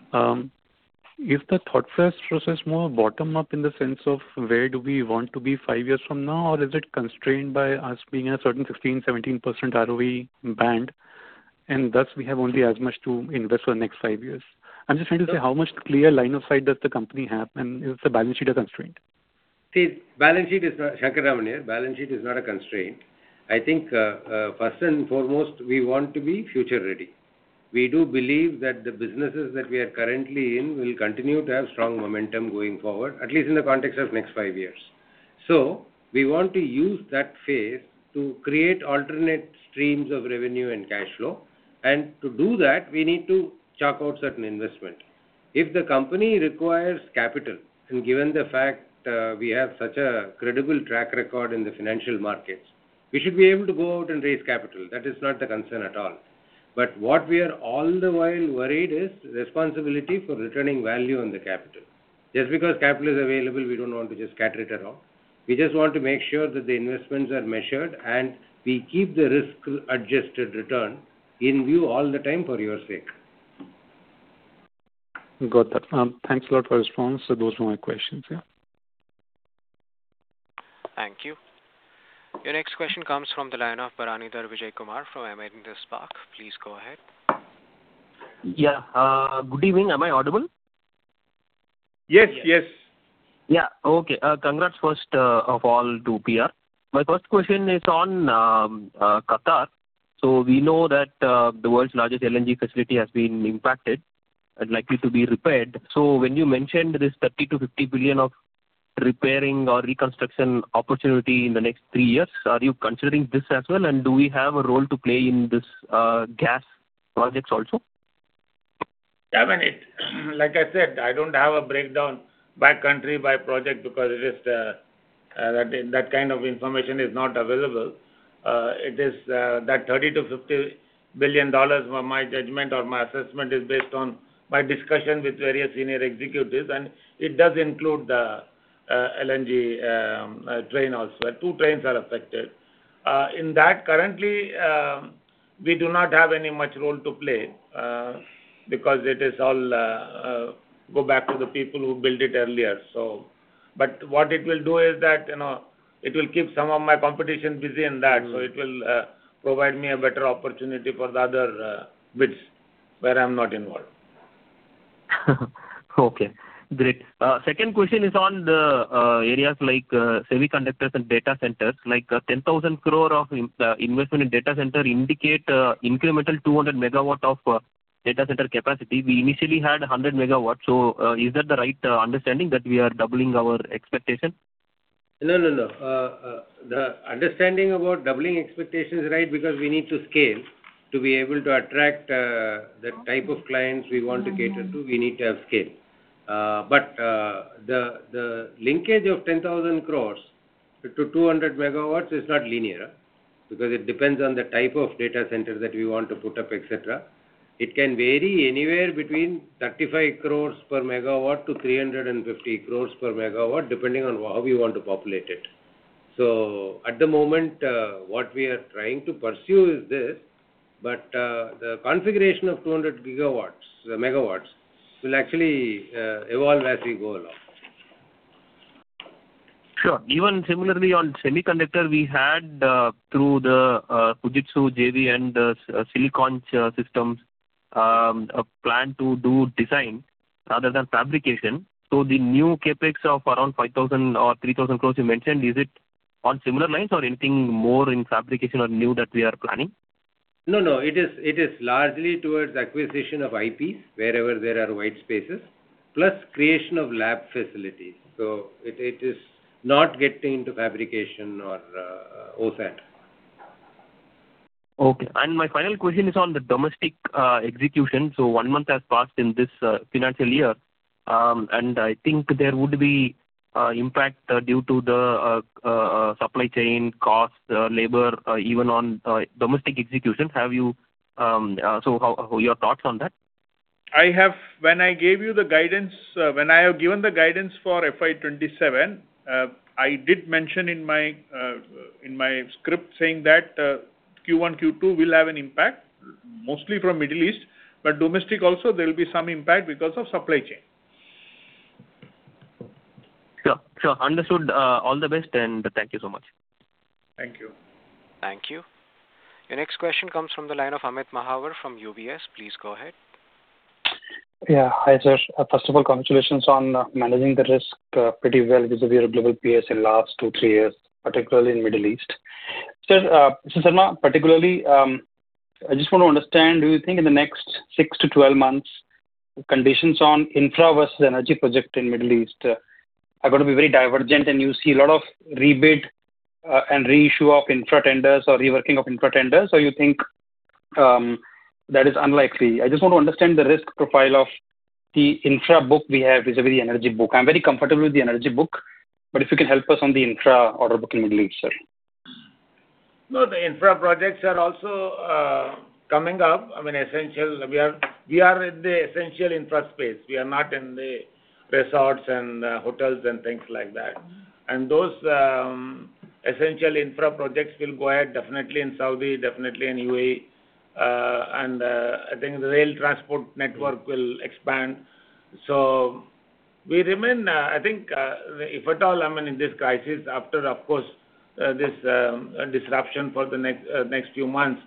the thought process more bottom-up in the sense of where do we want to be five years from now, or is it constrained by us being a certain 16%-17% ROE band, and thus we have only as much to invest for the next five years? I'm just trying to say how much clear line of sight does the company have, and is the balance sheet a constraint? Shankar Raman here. Balance sheet is not a constraint. I think, first and foremost, we want to be future ready. We do believe that the businesses that we are currently in will continue to have strong momentum going forward, at least in the context of next five years. We want to use that phase to create alternate streams of revenue and cash flow. To do that, we need to chalk out certain investment. If the company requires capital, given the fact, we have such a credible track record in the financial markets, we should be able to go out and raise capital. That is not the concern at all. What we are all the while worried is responsibility for returning value on the capital. Just because capital is available, we don't want to just scatter it around. We just want to make sure that the investments are measured and we keep the risk-adjusted return in view all the time for your sake. Got that. Thanks a lot for response. Those were my questions, yeah. Thank you. Your next question comes from the line of Bharanidhar Vijayakumar from Avendus Spark. Please go ahead. Good evening. Am I audible? Yes, yes. Yeah. Okay. Congrats first of all to PR. My first question is on Qatar. We know that the world's largest LNG facility has been impacted and likely to be repaired. When you mentioned this $30 billion-$50 billion of repairing or reconstruction opportunity in the next three years, are you considering this as well? Do we have a role to play in this gas projects also? I mean, like I said, I don't have a breakdown by country, by project, because it is that kind of information is not available. It is that $30 billion-$50 billion from my judgment or my assessment is based on my discussion with various senior executives, and it does include the LNG train also two trains are affected. In that currently, we do not have any much role to play, because it is all go back to the people who built it earlier. What it will do is that, you know, it will keep some of my competition busy in that. It will provide me a better opportunity for the other bids where I'm not involved. Okay, great. Second question is on the areas like semiconductors and data centers. 10,000 crore of investment in data center indicate incremental 200 MW of data center capacity. We initially had 100 MW. Is that the right understanding that we are doubling our expectation? No, no. The understanding about doubling expectation is right because we need to scale. To be able to attract the type of clients we want to cater to, we need to have scale. The linkage of 10,000 crores to 200 MW is not linear, because it depends on the type of data center that we want to put up, et cetera. It can vary anywhere between 35 crores per MW to 350 crores per MW, depending on how we want to populate it. At the moment, what we are trying to pursue is this, but the configuration of 200 MW will actually evolve as we go along. Sure. Even similarly on semiconductor, we had, through the Fujitsu JV and the SiliConch Systems, a plan to do design rather than fabrication. So the new CapEx of around 5,000 crores or 3,000 crores you mentioned, is it on similar lines or anything more in fabrication or new that we are planning? No, it is largely towards acquisition of IPs wherever there are white spaces, plus creation of lab facilities. It is not getting into fabrication or OSAT. Okay. My final question is on the domestic execution. One month has passed in this financial year, and I think there would be impact due to the supply chain costs, labor, even on domestic execution. Have you, your thoughts on that? When I have given the guidance for FY 2027, I did mention in my script saying that Q1, Q2 will have an impact, mostly from Middle East, but domestic also there will be some impact because of supply chain. Sure, sure. Understood. All the best, thank you so much. Thank you. Thank you. Your next question comes from the line of Amit Mahawar from UBS. Please go ahead. Yeah. Hi, sir. First of all, congratulations on managing the risk, pretty well vis-a-vis your global peers in last two, three years, particularly in Middle East. Sir, Mr. Sarma, particularly, I just want to understand, do you think in the next six to 12 months, conditions on infra versus energy project in Middle East are gonna be very divergent, and you see a lot of rebid, and reissue of infra tenders or reworking of infra tenders, or you think, that is unlikely? I just want to understand the risk profile of the infra book we have vis-a-vis the energy book. I'm very comfortable with the energy book, but if you can help us on the infra order book in Middle East, sir. No, the infra projects are also coming up. I mean, essential. We are in the essential infra space. We are not in the resorts and hotels and things like that. Those essential infra projects will go ahead definitely in Saudi, definitely in UAE. I think the rail transport network will expand. We remain, I think, if at all, I mean, in this crisis after, of course, this disruption for the next few months.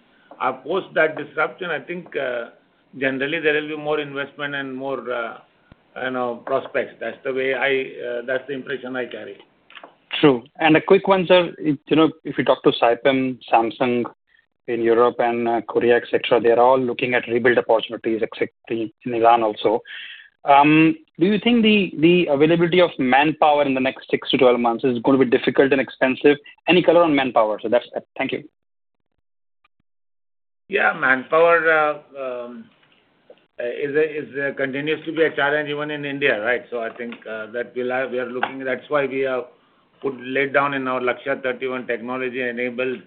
Post that disruption, I think, generally there will be more investment and more, you know, prospects. That's the way I, that's the impression I carry. True. A quick one, sir. You know, if you talk to Saipem, Samsung in Europe and Korea, et cetera, they are all looking at rebuild opportunities in Iran also. Do you think the availability of manpower in the next six to 12 months is gonna be difficult and expensive? Any color on manpower, sir? That's it. Thank you. Manpower continues to be a challenge even in India, right. I think we are looking. That's why we have put laid down in our Lakshya 2031 technology enabled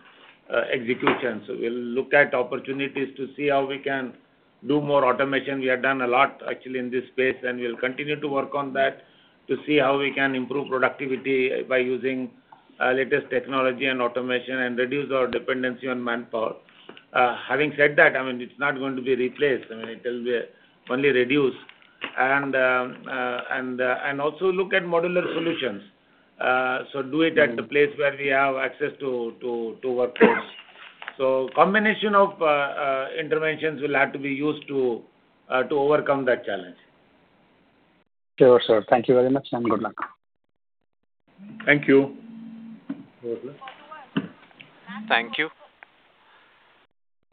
execution. We'll look at opportunities to see how we can do more automation. We have done a lot actually in this space, and we'll continue to work on that to see how we can improve productivity by using latest technology and automation and reduce our dependency on manpower. Having said that, I mean, it's not going to be replaced. I mean, it will be only reduced. Also look at modular solutions. Do it at the place where we have access to workforce. Combination of interventions will have to be used to overcome that challenge. Sure, sir. Thank you very much, and good luck. Thank you. Thank you.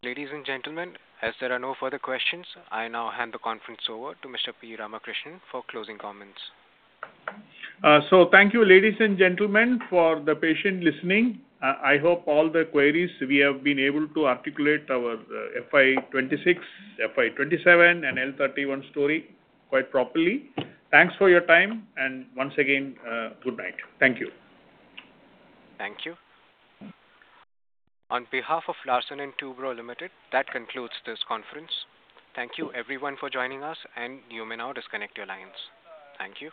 Ladies and gentlemen, as there are no further questions, I now hand the conference over to Mr. P. Ramakrishnan for closing comments. Thank you, ladies and gentlemen, for the patient listening. I hope all the queries we have been able to articulate our FY 2026, FY 2027 and L31 story quite properly. Thanks for your time, and once again, good night. Thank you. Thank you. On behalf of Larsen & Toubro Limited, that concludes this conference. Thank you everyone for joining us, and you may now disconnect your lines. Thank you.